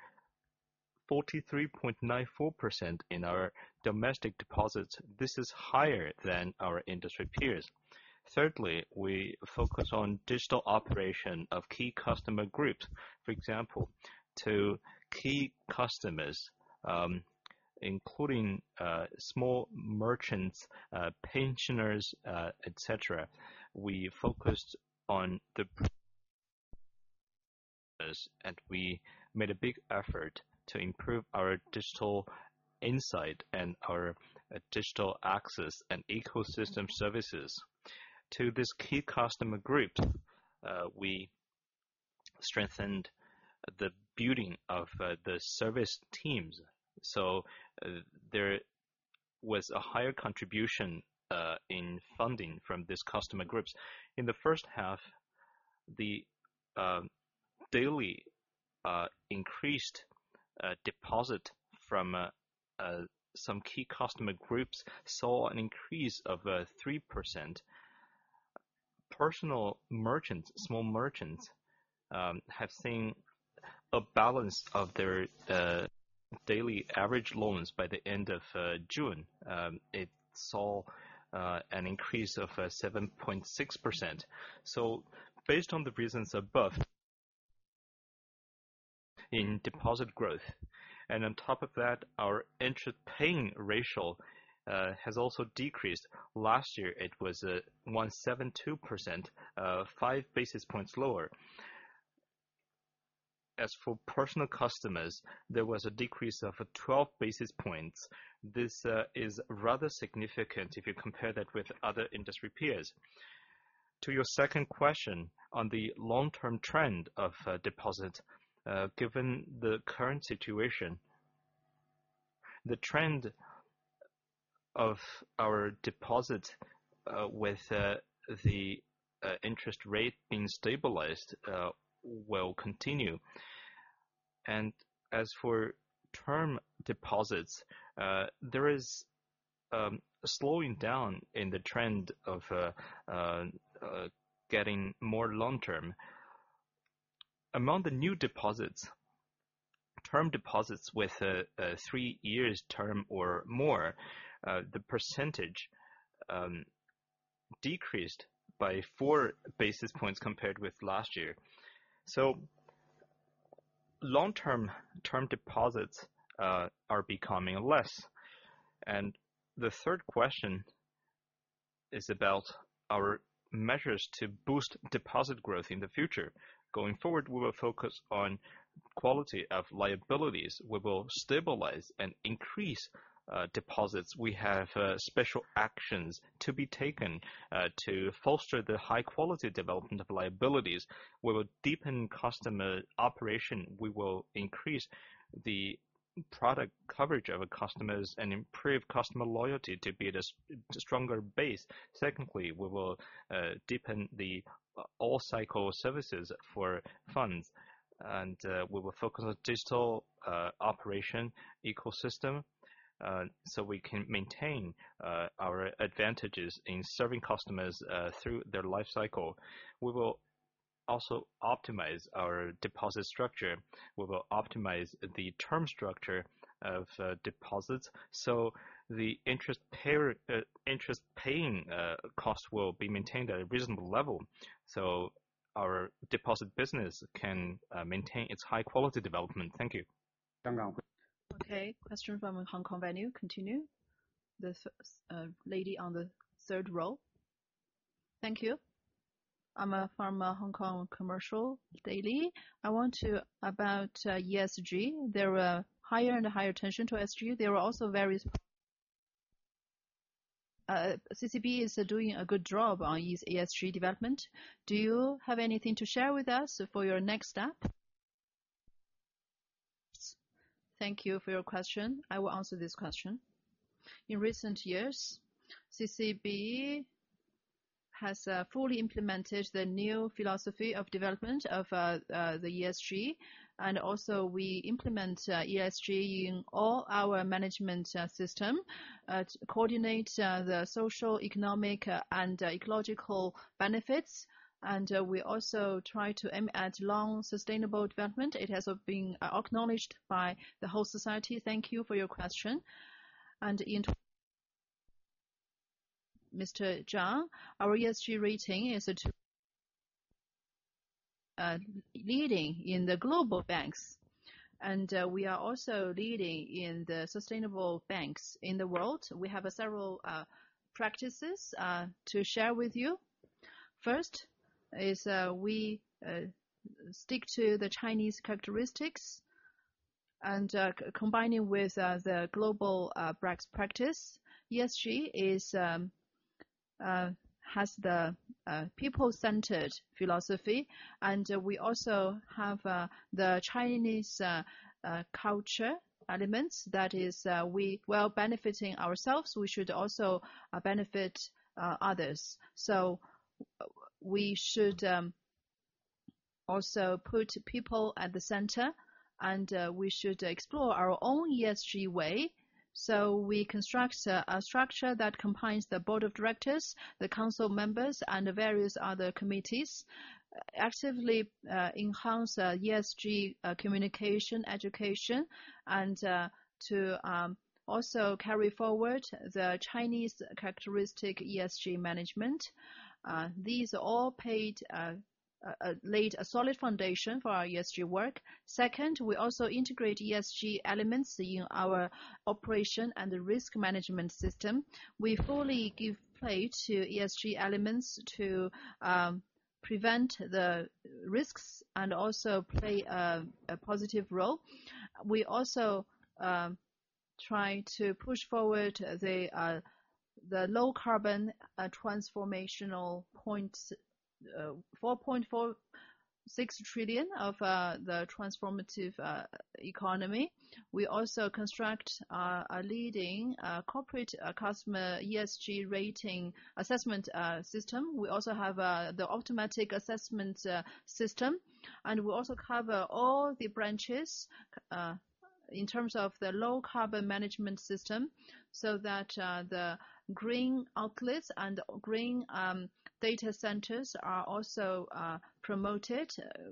43.94% in our domestic deposits. This is higher than our industry peers. Thirdly, we focus on digital operation of key customer groups. For example, to key customers, including small merchants, pensioners, et cetera. We focused on the, and we made a big effort to improve our digital insight and our digital access and ecosystem services. To these key customer groups, we strengthened the building of the service teams, so there was a higher contribution in funding from these customer groups. In the first half, the daily increased deposit from some key customer groups saw an increase of 3%. Personal merchants, small merchants have seen a balance of their daily average loans. By the end of June, it saw an increase of 7.6%. So based on the reasons above, in deposit growth, and on top of that, our interest paying ratio has also decreased. Last year, it was 172%, five basis points lower. As for personal customers, there was a decrease of 12 basis points. This is rather significant if you compare that with other industry peers. To your second question, on the long-term trend of deposit, given the current situation, the trend of our deposit, with the interest rate being stabilized, will continue. And as for term deposits, there is slowing down in the trend of getting more long-term. Among the new deposits, term deposits with three years term or more, the percentage decreased by four basis points compared with last year. So long-term term deposits are becoming less. And the third question is about our measures to boost deposit growth in the future. Going forward, we will focus on quality of liabilities. We will stabilize and increase deposits. We have special actions to be taken to foster the high quality development of liabilities. We will deepen customer operation. We will increase the product coverage of our customers and improve customer loyalty to build a stronger base. Secondly, we will deepen the all cycle services for funds, and we will focus on digital operation ecosystem, so we can maintain our advantages in serving customers through their life cycle. We will also optimize our deposit structure. We will optimize the term structure of deposits, so the interest paying cost will be maintained at a reasonable level, so our deposit business can maintain its high quality development. Thank you. Okay. Question from the Hong Kong venue. Continue. The first lady on the third row. Thank you. I'm from Hong Kong Commercial Daily. I want to ask about ESG. There were higher and higher attention to ESG. There were also various... CCB is doing a good job on ESG development. Do you have anything to share with us for your next step? Thank you for your question. I will answer this question. In recent years, CCB has fully implemented the new philosophy of development of the ESG, and also we implement ESG in all our management system to coordinate the social, economic, and ecological benefits, and we also try to aim at long sustainable development. It has been acknowledged by the whole society. Thank you for your question. And in... Mr. Zhang, our ESG rating is two, leading in the global banks, and we are also leading in the sustainable banks in the world. We have several practices to share with you. First is we stick to the Chinese characteristics, and combining with the global best practice, ESG has the people-centered philosophy, and we also have the Chinese culture elements. That is, we, while benefiting ourselves, we should also benefit others, so we should also put people at the center, and we should explore our own ESG way, so we construct a structure that combines the Board of Directors, the council members, and the various other committees, actively enhance ESG communication, education, and to also carry forward the Chinese characteristic ESG management. These all laid a solid foundation for our ESG work. Second, we also integrate ESG elements in our operation and the risk management system. We fully give play to ESG elements to prevent the risks and also play a positive role. We also try to push forward the low carbon transformational point 4.46 trillion of the transformative economy. We also construct a leading corporate customer ESG rating assessment system. We also have the automatic assessment system, and we also cover all the branches in terms of the low carbon management system, so that the green outlets and green data centers are also promoted.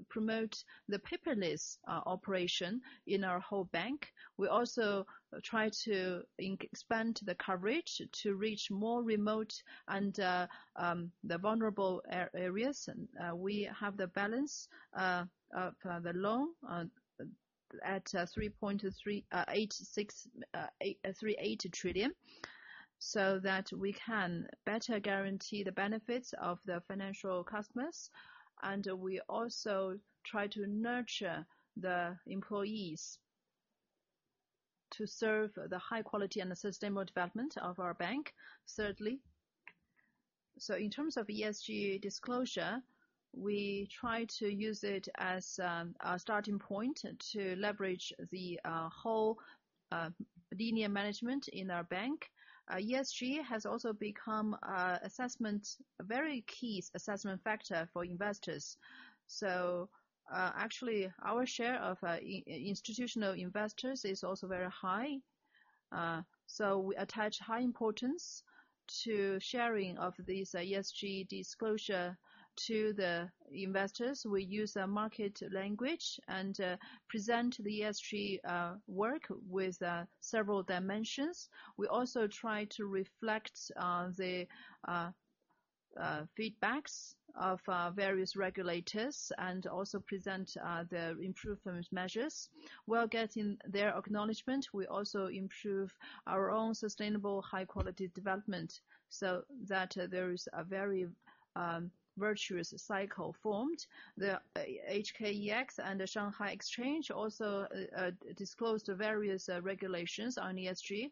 Promote the paperless operation in our whole bank. We also try to expand the coverage to reach more remote and the vulnerable areas. We have the balance, the loan at 3.38683 trillion, so that we can better guarantee the benefits of the financial customers. We also try to nurture the employees to serve the high quality and the sustainable development of our bank. Thirdly, in terms of ESG disclosure, we try to use it as a starting point to leverage the whole internal management in our bank. ESG has also become a very key assessment factor for investors. Actually, our share of institutional investors is also very high. We attach high importance to sharing of these ESG disclosure to the investors. We use a market language, and present the ESG work with several dimensions. We also try to reflect the feedbacks of various regulators and also present the improvement measures, while getting their acknowledgement. We also improve our own sustainable, high quality development, so that there is a very virtuous cycle formed. The HKEX and the Shanghai Exchange also disclosed various regulations on ESG,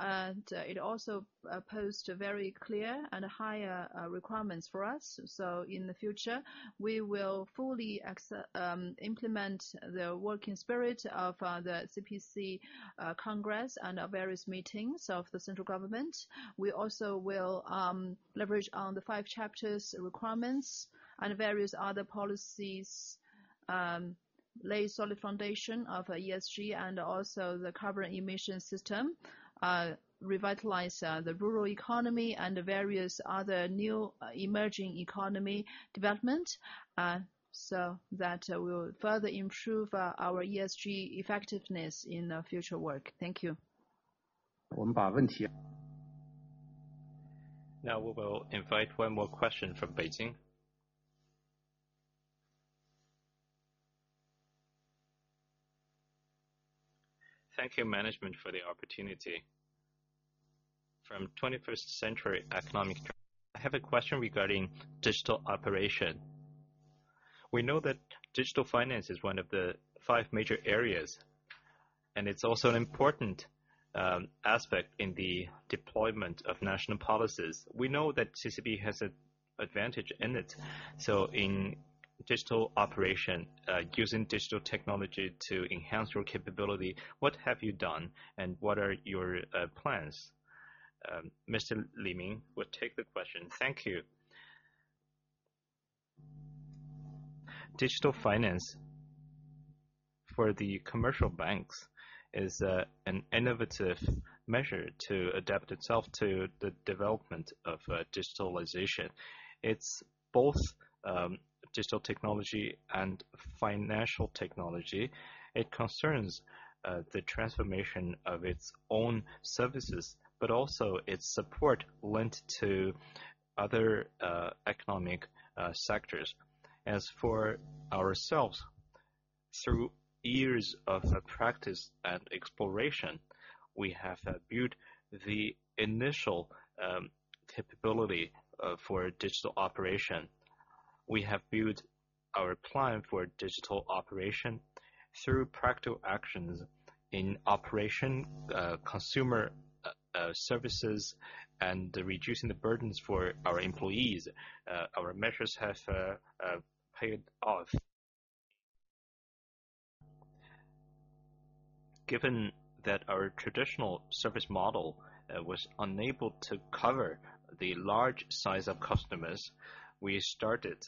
and it also posed a very clear and higher requirements for us. So in the future, we will fully implement the working spirit of the CPC Congress and various meetings of the central government. We also will leverage on the Five Chapters' requirements and various other policies, lay solid foundation of ESG and also the carbon emission system, revitalize the rural economy and the various other new emerging economy development, so that we will further improve our ESG effectiveness in our future work. Thank you. Now, we will invite one more question from Beijing. Thank you, management, for the opportunity. From 21st Century Economy, I have a question regarding digital operation. We know that digital finance is one of the five major areas, and it's also an important aspect in the deployment of national policies. We know that CCB has an advantage in it. So in digital operation, using digital technology to enhance your capability, what have you done and what are your plans? Lei Ming Ming will take the question. Thank you. Digital finance for the commercial banks is an innovative measure to adapt itself to the development of digitalization. It's both digital technology and financial technology. It concerns the transformation of its own services, but also its support lent to other economic sectors. As for ourselves, through years of practice and exploration, we have built the initial capability for digital operation. ... We have built our plan for digital operation through practical actions in operation, consumer, services, and reducing the burdens for our employees. Our measures have paid off. Given that our traditional service model was unable to cover the large size of customers, we started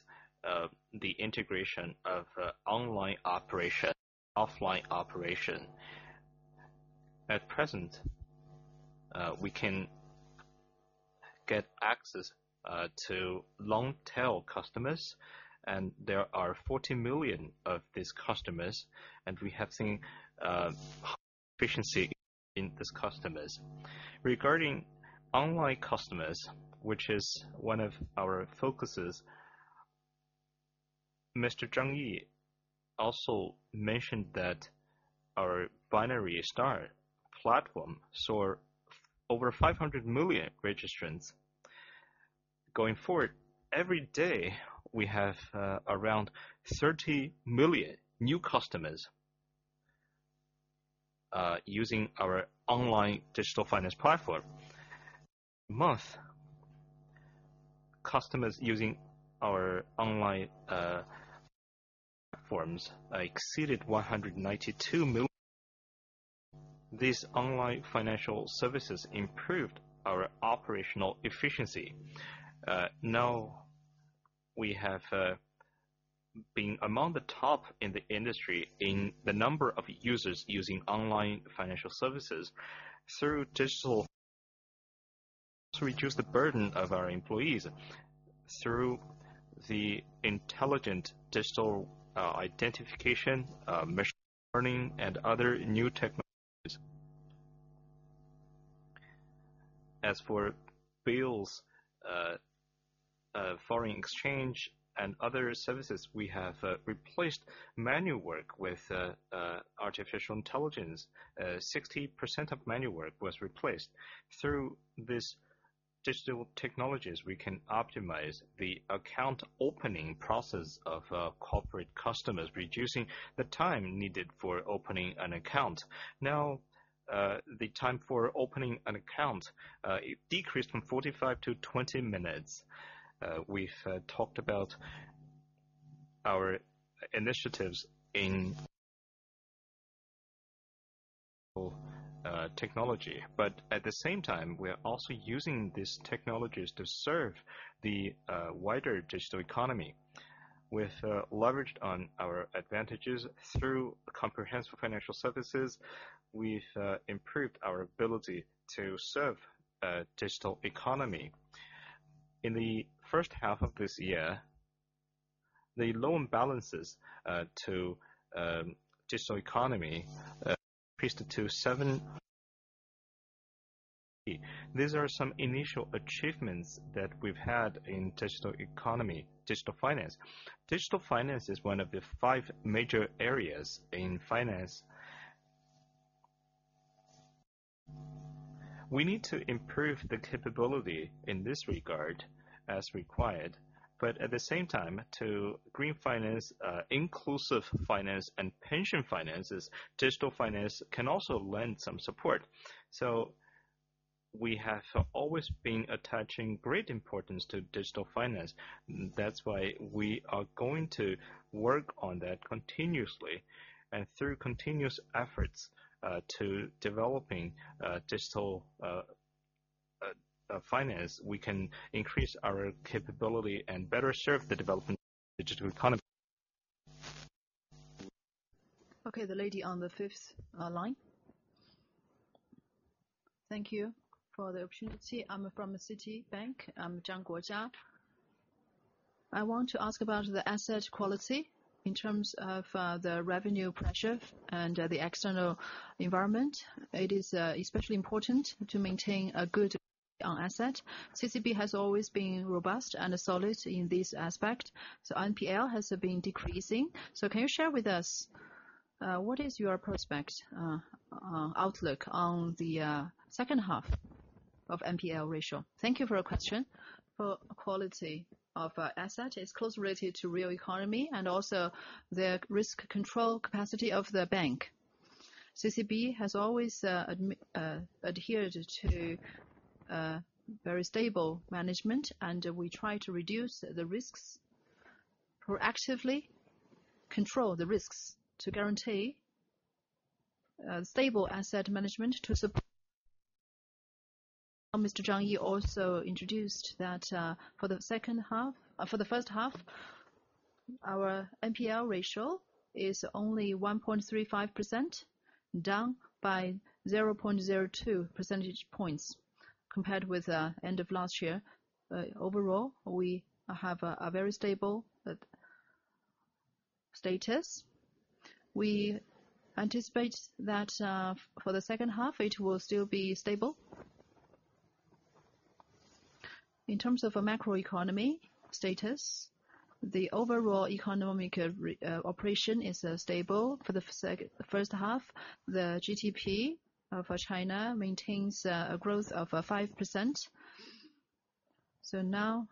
the integration of online operation, offline operation. At present, we can get access to long-tail customers, and there are 40 million of these customers, and we have seen efficiency in these customers. Regarding online customers, which is one of our focuses, Mr. Zhang Yi also mentioned that our Binary Star platform saw over 500 million registrants. Going forward, every day, we have around 30 million new customers using our online digital finance platform. Monthly customers using our online platforms exceeded 192 million. These online financial services improved our operational efficiency. Now, we have been among the top in the industry in the number of users using online financial services. Through digital, to reduce the burden of our employees, through the intelligent digital identification, machine learning and other new technologies. As for bills, foreign exchange and other services, we have replaced manual work with artificial intelligence. 60% of manual work was replaced. Through these digital technologies, we can optimize the account opening process of corporate customers, reducing the time needed for opening an account. Now, the time for opening an account, it decreased from 45 to 20 minutes. We've talked about our initiatives in technology, but at the same time, we are also using these technologies to serve the wider digital economy. With leveraged on our advantages through comprehensive financial services, we've improved our ability to serve digital economy. In the first half of this year, the loan balances to digital economy increased to seven. These are some initial achievements that we've had in digital economy, digital finance. Digital finance is one of the five major areas in finance. We need to improve the capability in this regard as required, but at the same time, to green finance, inclusive finance and pension finances, digital finance can also lend some support. So we have always been attaching great importance to digital finance. That's why we are going to work on that continuously. And through continuous efforts to developing digital finance, we can increase our capability and better serve the development of digital economy. Okay, the lady on the fifth line. Thank you for the opportunity. I'm from Citibank. I'm Jiang Guorong. I want to ask about the asset quality in terms of the revenue pressure and the external environment. It is especially important to maintain a good asset. CCB has always been robust and solid in this aspect, so NPL has been decreasing. So can you share with us what is your prospect outlook on the second half of NPL ratio? Thank you for your question. For quality of asset is closely related to real economy and also the risk control capacity of the bank. CCB has always adhered to very stable management, and we try to reduce the risks proactively, control the risks to guarantee stable asset management to sup... Uh, Mr. Zhang Yi also introduced that, for the second half—for the first half, our NPL ratio is only 1.35%, down by 0.02 percentage points compared with end of last year. Overall, we have a very stable status. We anticipate that for the second half, it will still be stable. In terms of a macroeconomy status, the overall economic operation is stable for the first half. The GDP for China maintains a growth of 5%. So now,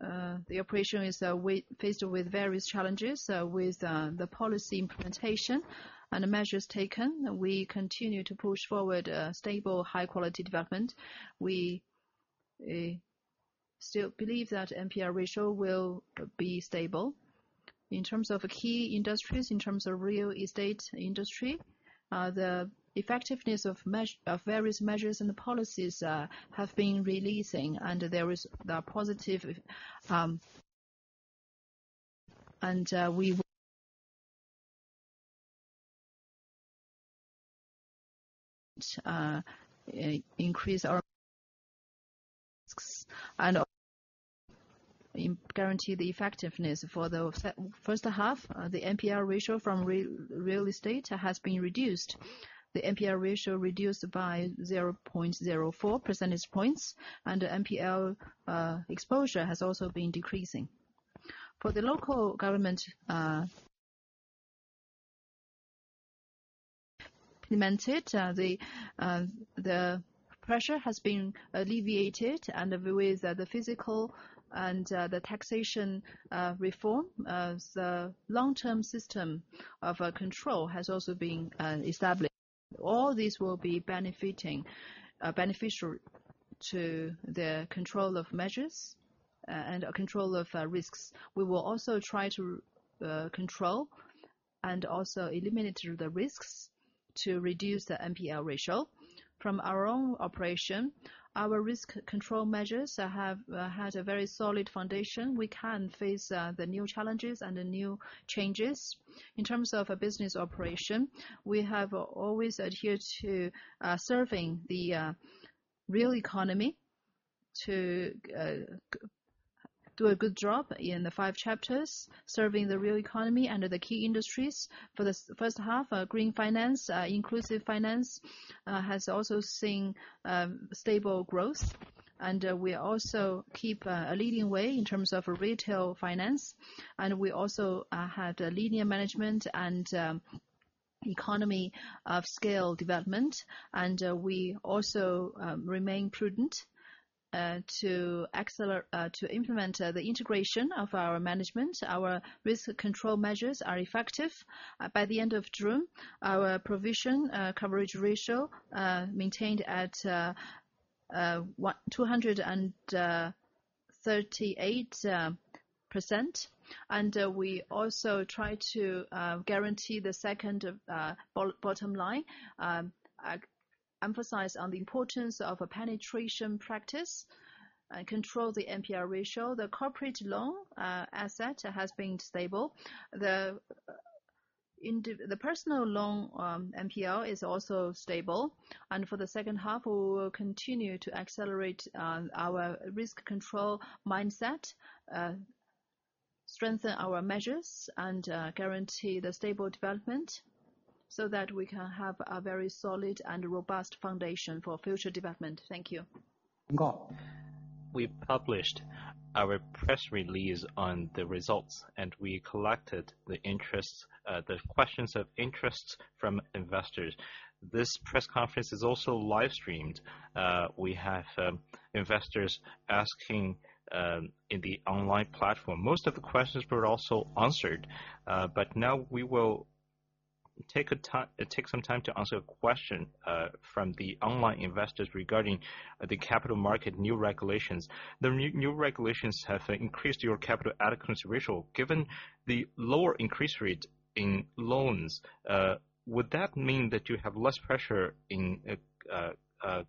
the operation is faced with various challenges with the policy implementation and the measures taken. We continue to push forward stable, high quality development. We still believe that NPL ratio will be stable. In terms of key industries, in terms of real estate industry, the effectiveness of various measures and the policies have been releasing, and there is the positive. We've increase our risks and guarantee the effectiveness. For the first half, the NPL ratio from real estate has been reduced. The NPL ratio reduced by 0.04 percentage points, and the NPL exposure has also been decreasing. For the local government, implemented, the, the pressure has been alleviated and with the fiscal and the taxation reform. The long-term system of control has also been established. All these will be beneficial to the control of measures and control of risks. We will also try to control and also eliminate the risks to reduce the NPL ratio. From our own operation, our risk control measures have had a very solid foundation. We can face the new challenges and the new changes. In terms of a business operation, we have always adhered to serving the real economy to do a good job in the Five Chapters, serving the real economy under the key industries. For the first half, green finance, inclusive finance has also seen stable growth, and we also keep a leading way in terms of retail finance, and we also had a linear management and economy of scale development, and we also remain prudent to implement the integration of our management. Our risk control measures are effective. By the end of June, our provision coverage ratio maintained at what? 238%. And we also try to guarantee the second bottom line. Emphasize on the importance of a prevention practice, control the NPL ratio. The corporate loan asset has been stable. The personal loan NPL is also stable, and for the second half, we will continue to accelerate our risk control mindset, strengthen our measures, and guarantee the stable development so that we can have a very solid and robust foundation for future development. Thank you. We published our press release on the results, and we collected the interests, the questions of interests from investors. This press conference is also live streamed. We have investors asking in the online platform. Most of the questions were also answered, but now we will take some time to answer a question from the online investors regarding the capital market new regulations. The new regulations have increased your capital adequacy ratio. Given the lower increase rate in loans, would that mean that you have less pressure in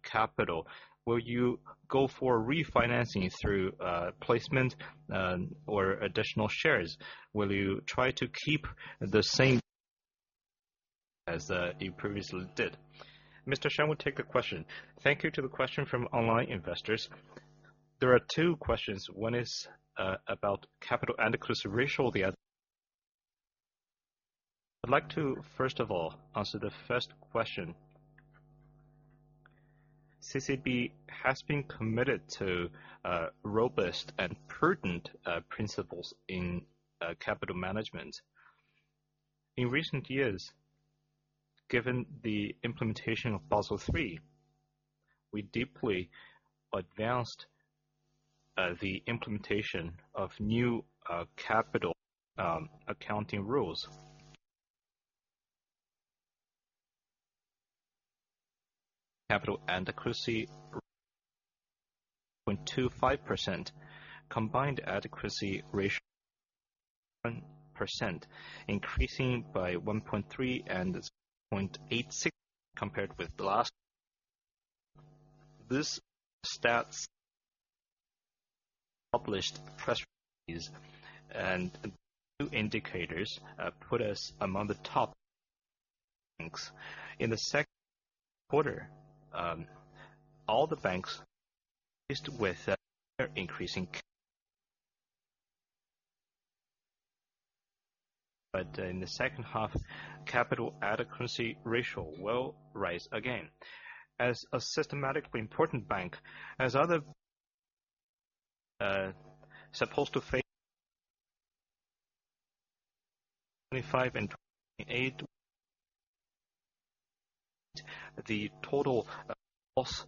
capital? Will you go for refinancing through placement or additional shares? Will you try to keep the same as you previously did? Mr. Sheng will take the question. Thank you to the question from online investors. There are two questions. One is about capital adequacy ratio, the other... I'd like to, first of all, answer the first question. CCB has been committed to robust and prudent principles in capital management. In recent years, given the implementation of Basel III, we deeply advanced the implementation of new capital accounting rules. Capital adequacy 0.25%, combined adequacy ratio, percent, increasing by 1.3 and 0.86 compared with the last. This stats published press release, and two indicators put us among the top banks. In the Q2, all the banks, at least with their increasing, but in the second half, capital adequacy ratio will rise again. As a systematically important bank, as other supposed to face... 2025 and 2028, the total loss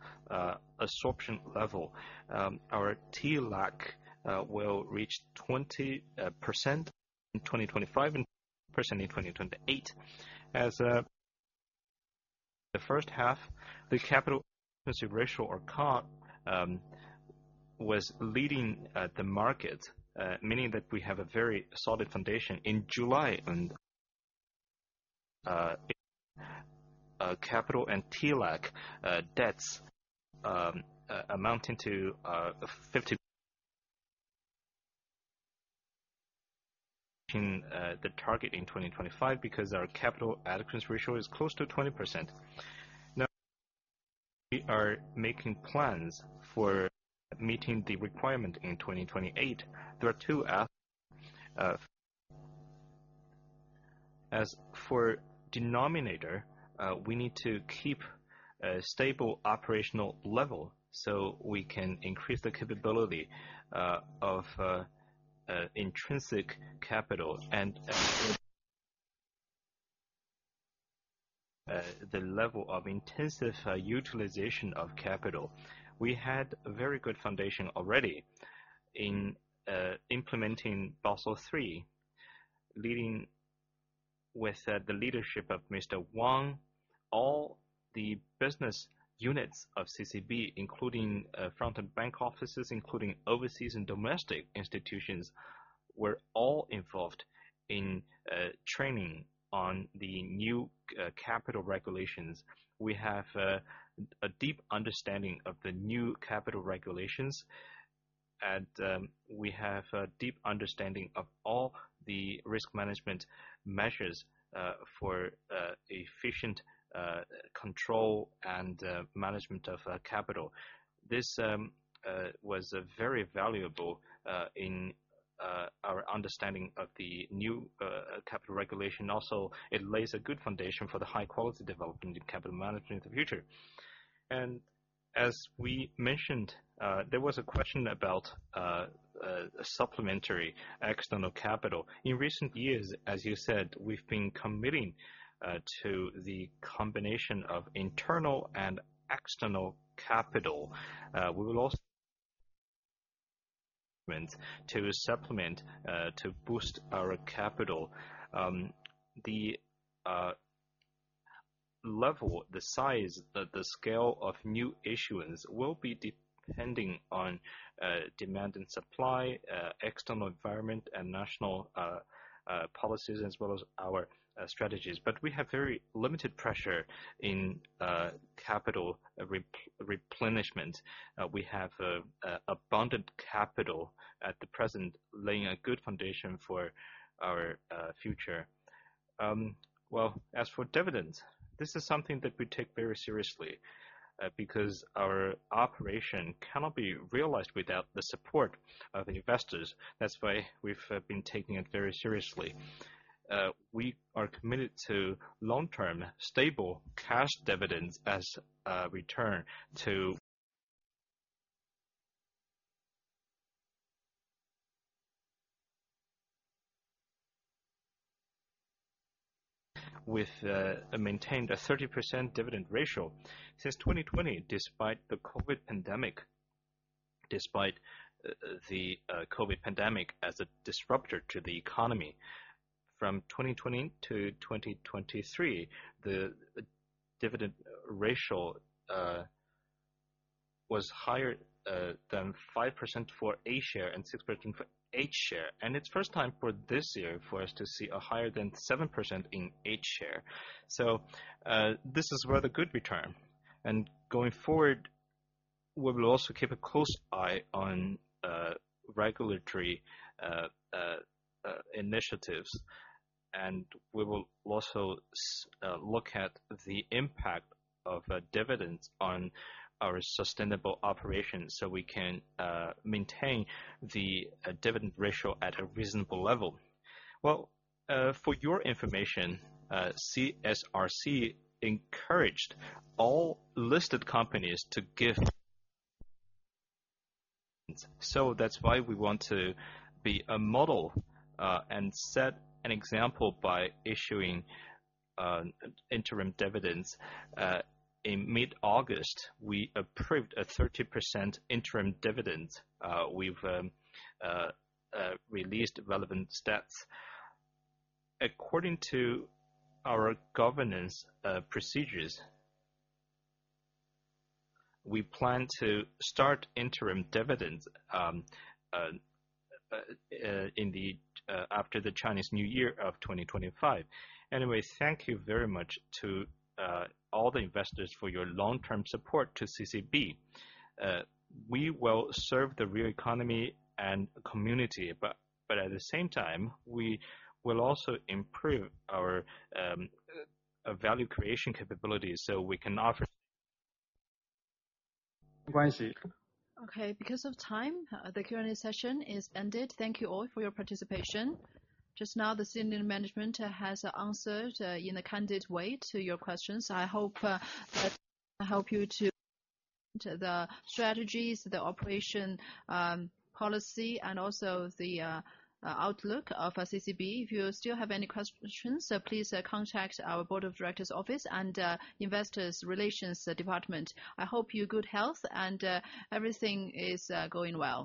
absorption level, our TLAC, will reach 20% in 2025 and % in 2028. As the first half, the capital ratio or CAR was leading the market, meaning that we have a very solid foundation. In July and capital and TLAC debts amounting to fifty the target in 2025, because our capital adequacy ratio is close to 20%. Now, we are making plans for meeting the requirement in 2028. There are two. As for denominator, we need to keep a stable operational level, so we can increase the capability of intrinsic capital and the level of intensive utilization of capital. We had a very good foundation already in implementing Basel III, leading with the leadership of Mr. Wang. All the business units of CCB, including front and back offices, including overseas and domestic institutions, were all involved in training on the new capital regulations. We have a deep understanding of the new capital regulations, and we have a deep understanding of all the risk management measures for efficient control and management of capital. This was very valuable in our understanding of the new capital regulation. Also, it lays a good foundation for the high quality development in capital management in the future, and as we mentioned, there was a question about supplementary external capital. In recent years, as you said, we've been committing to the combination of internal and external capital. We will also to supplement to boost our capital. The level, the size, the scale of new issuance will be depending on demand and supply, external environment, and national policies, as well as our strategies. But we have very limited pressure in capital replenishment. We have abundant capital at the present, laying a good foundation for our future. Well, as for dividends, this is something that we take very seriously because our operation cannot be realized without the support of investors. That's why we've been taking it very seriously. We are committed to long-term, stable cash dividends as a return to... With a maintained 30% dividend ratio. Since 2020, despite the COVID pandemic as a disruptor to the economy, from 2020 to 2023, the dividend ratio was higher than 5% for A share and 6% for H share. It's first time for this year for us to see a higher than 7% in H share. This is rather good return. Going forward, we will also keep a close eye on regulatory initiatives, and we will also look at the impact of dividends on our sustainable operations, so we can maintain the dividend ratio at a reasonable level. For your information, CSRC encouraged all listed companies to give. That's why we want to be a model and set an example by issuing interim dividends. In mid-August, we approved a 30% interim dividend. We've released relevant stats. According to our governance procedures, we plan to start interim dividends in the after the Chinese New Year of twenty twenty-five. Anyways, thank you very much to all the investors for your long-term support to CCB. We will serve the real economy and community, but at the same time, we will also improve our value creation capabilities, so we can offer- Okay, because of time, the Q&A session is ended. Thank you all for your participation. Just now, the senior management has answered, in a candid way to your questions. I hope, that help you to, to the strategies, the operation, policy, and also the, outlook of CCB. If you still have any questions, please, contact our Board of Directors office and, Investors Relations, department. I hope you good health and, everything is, going well.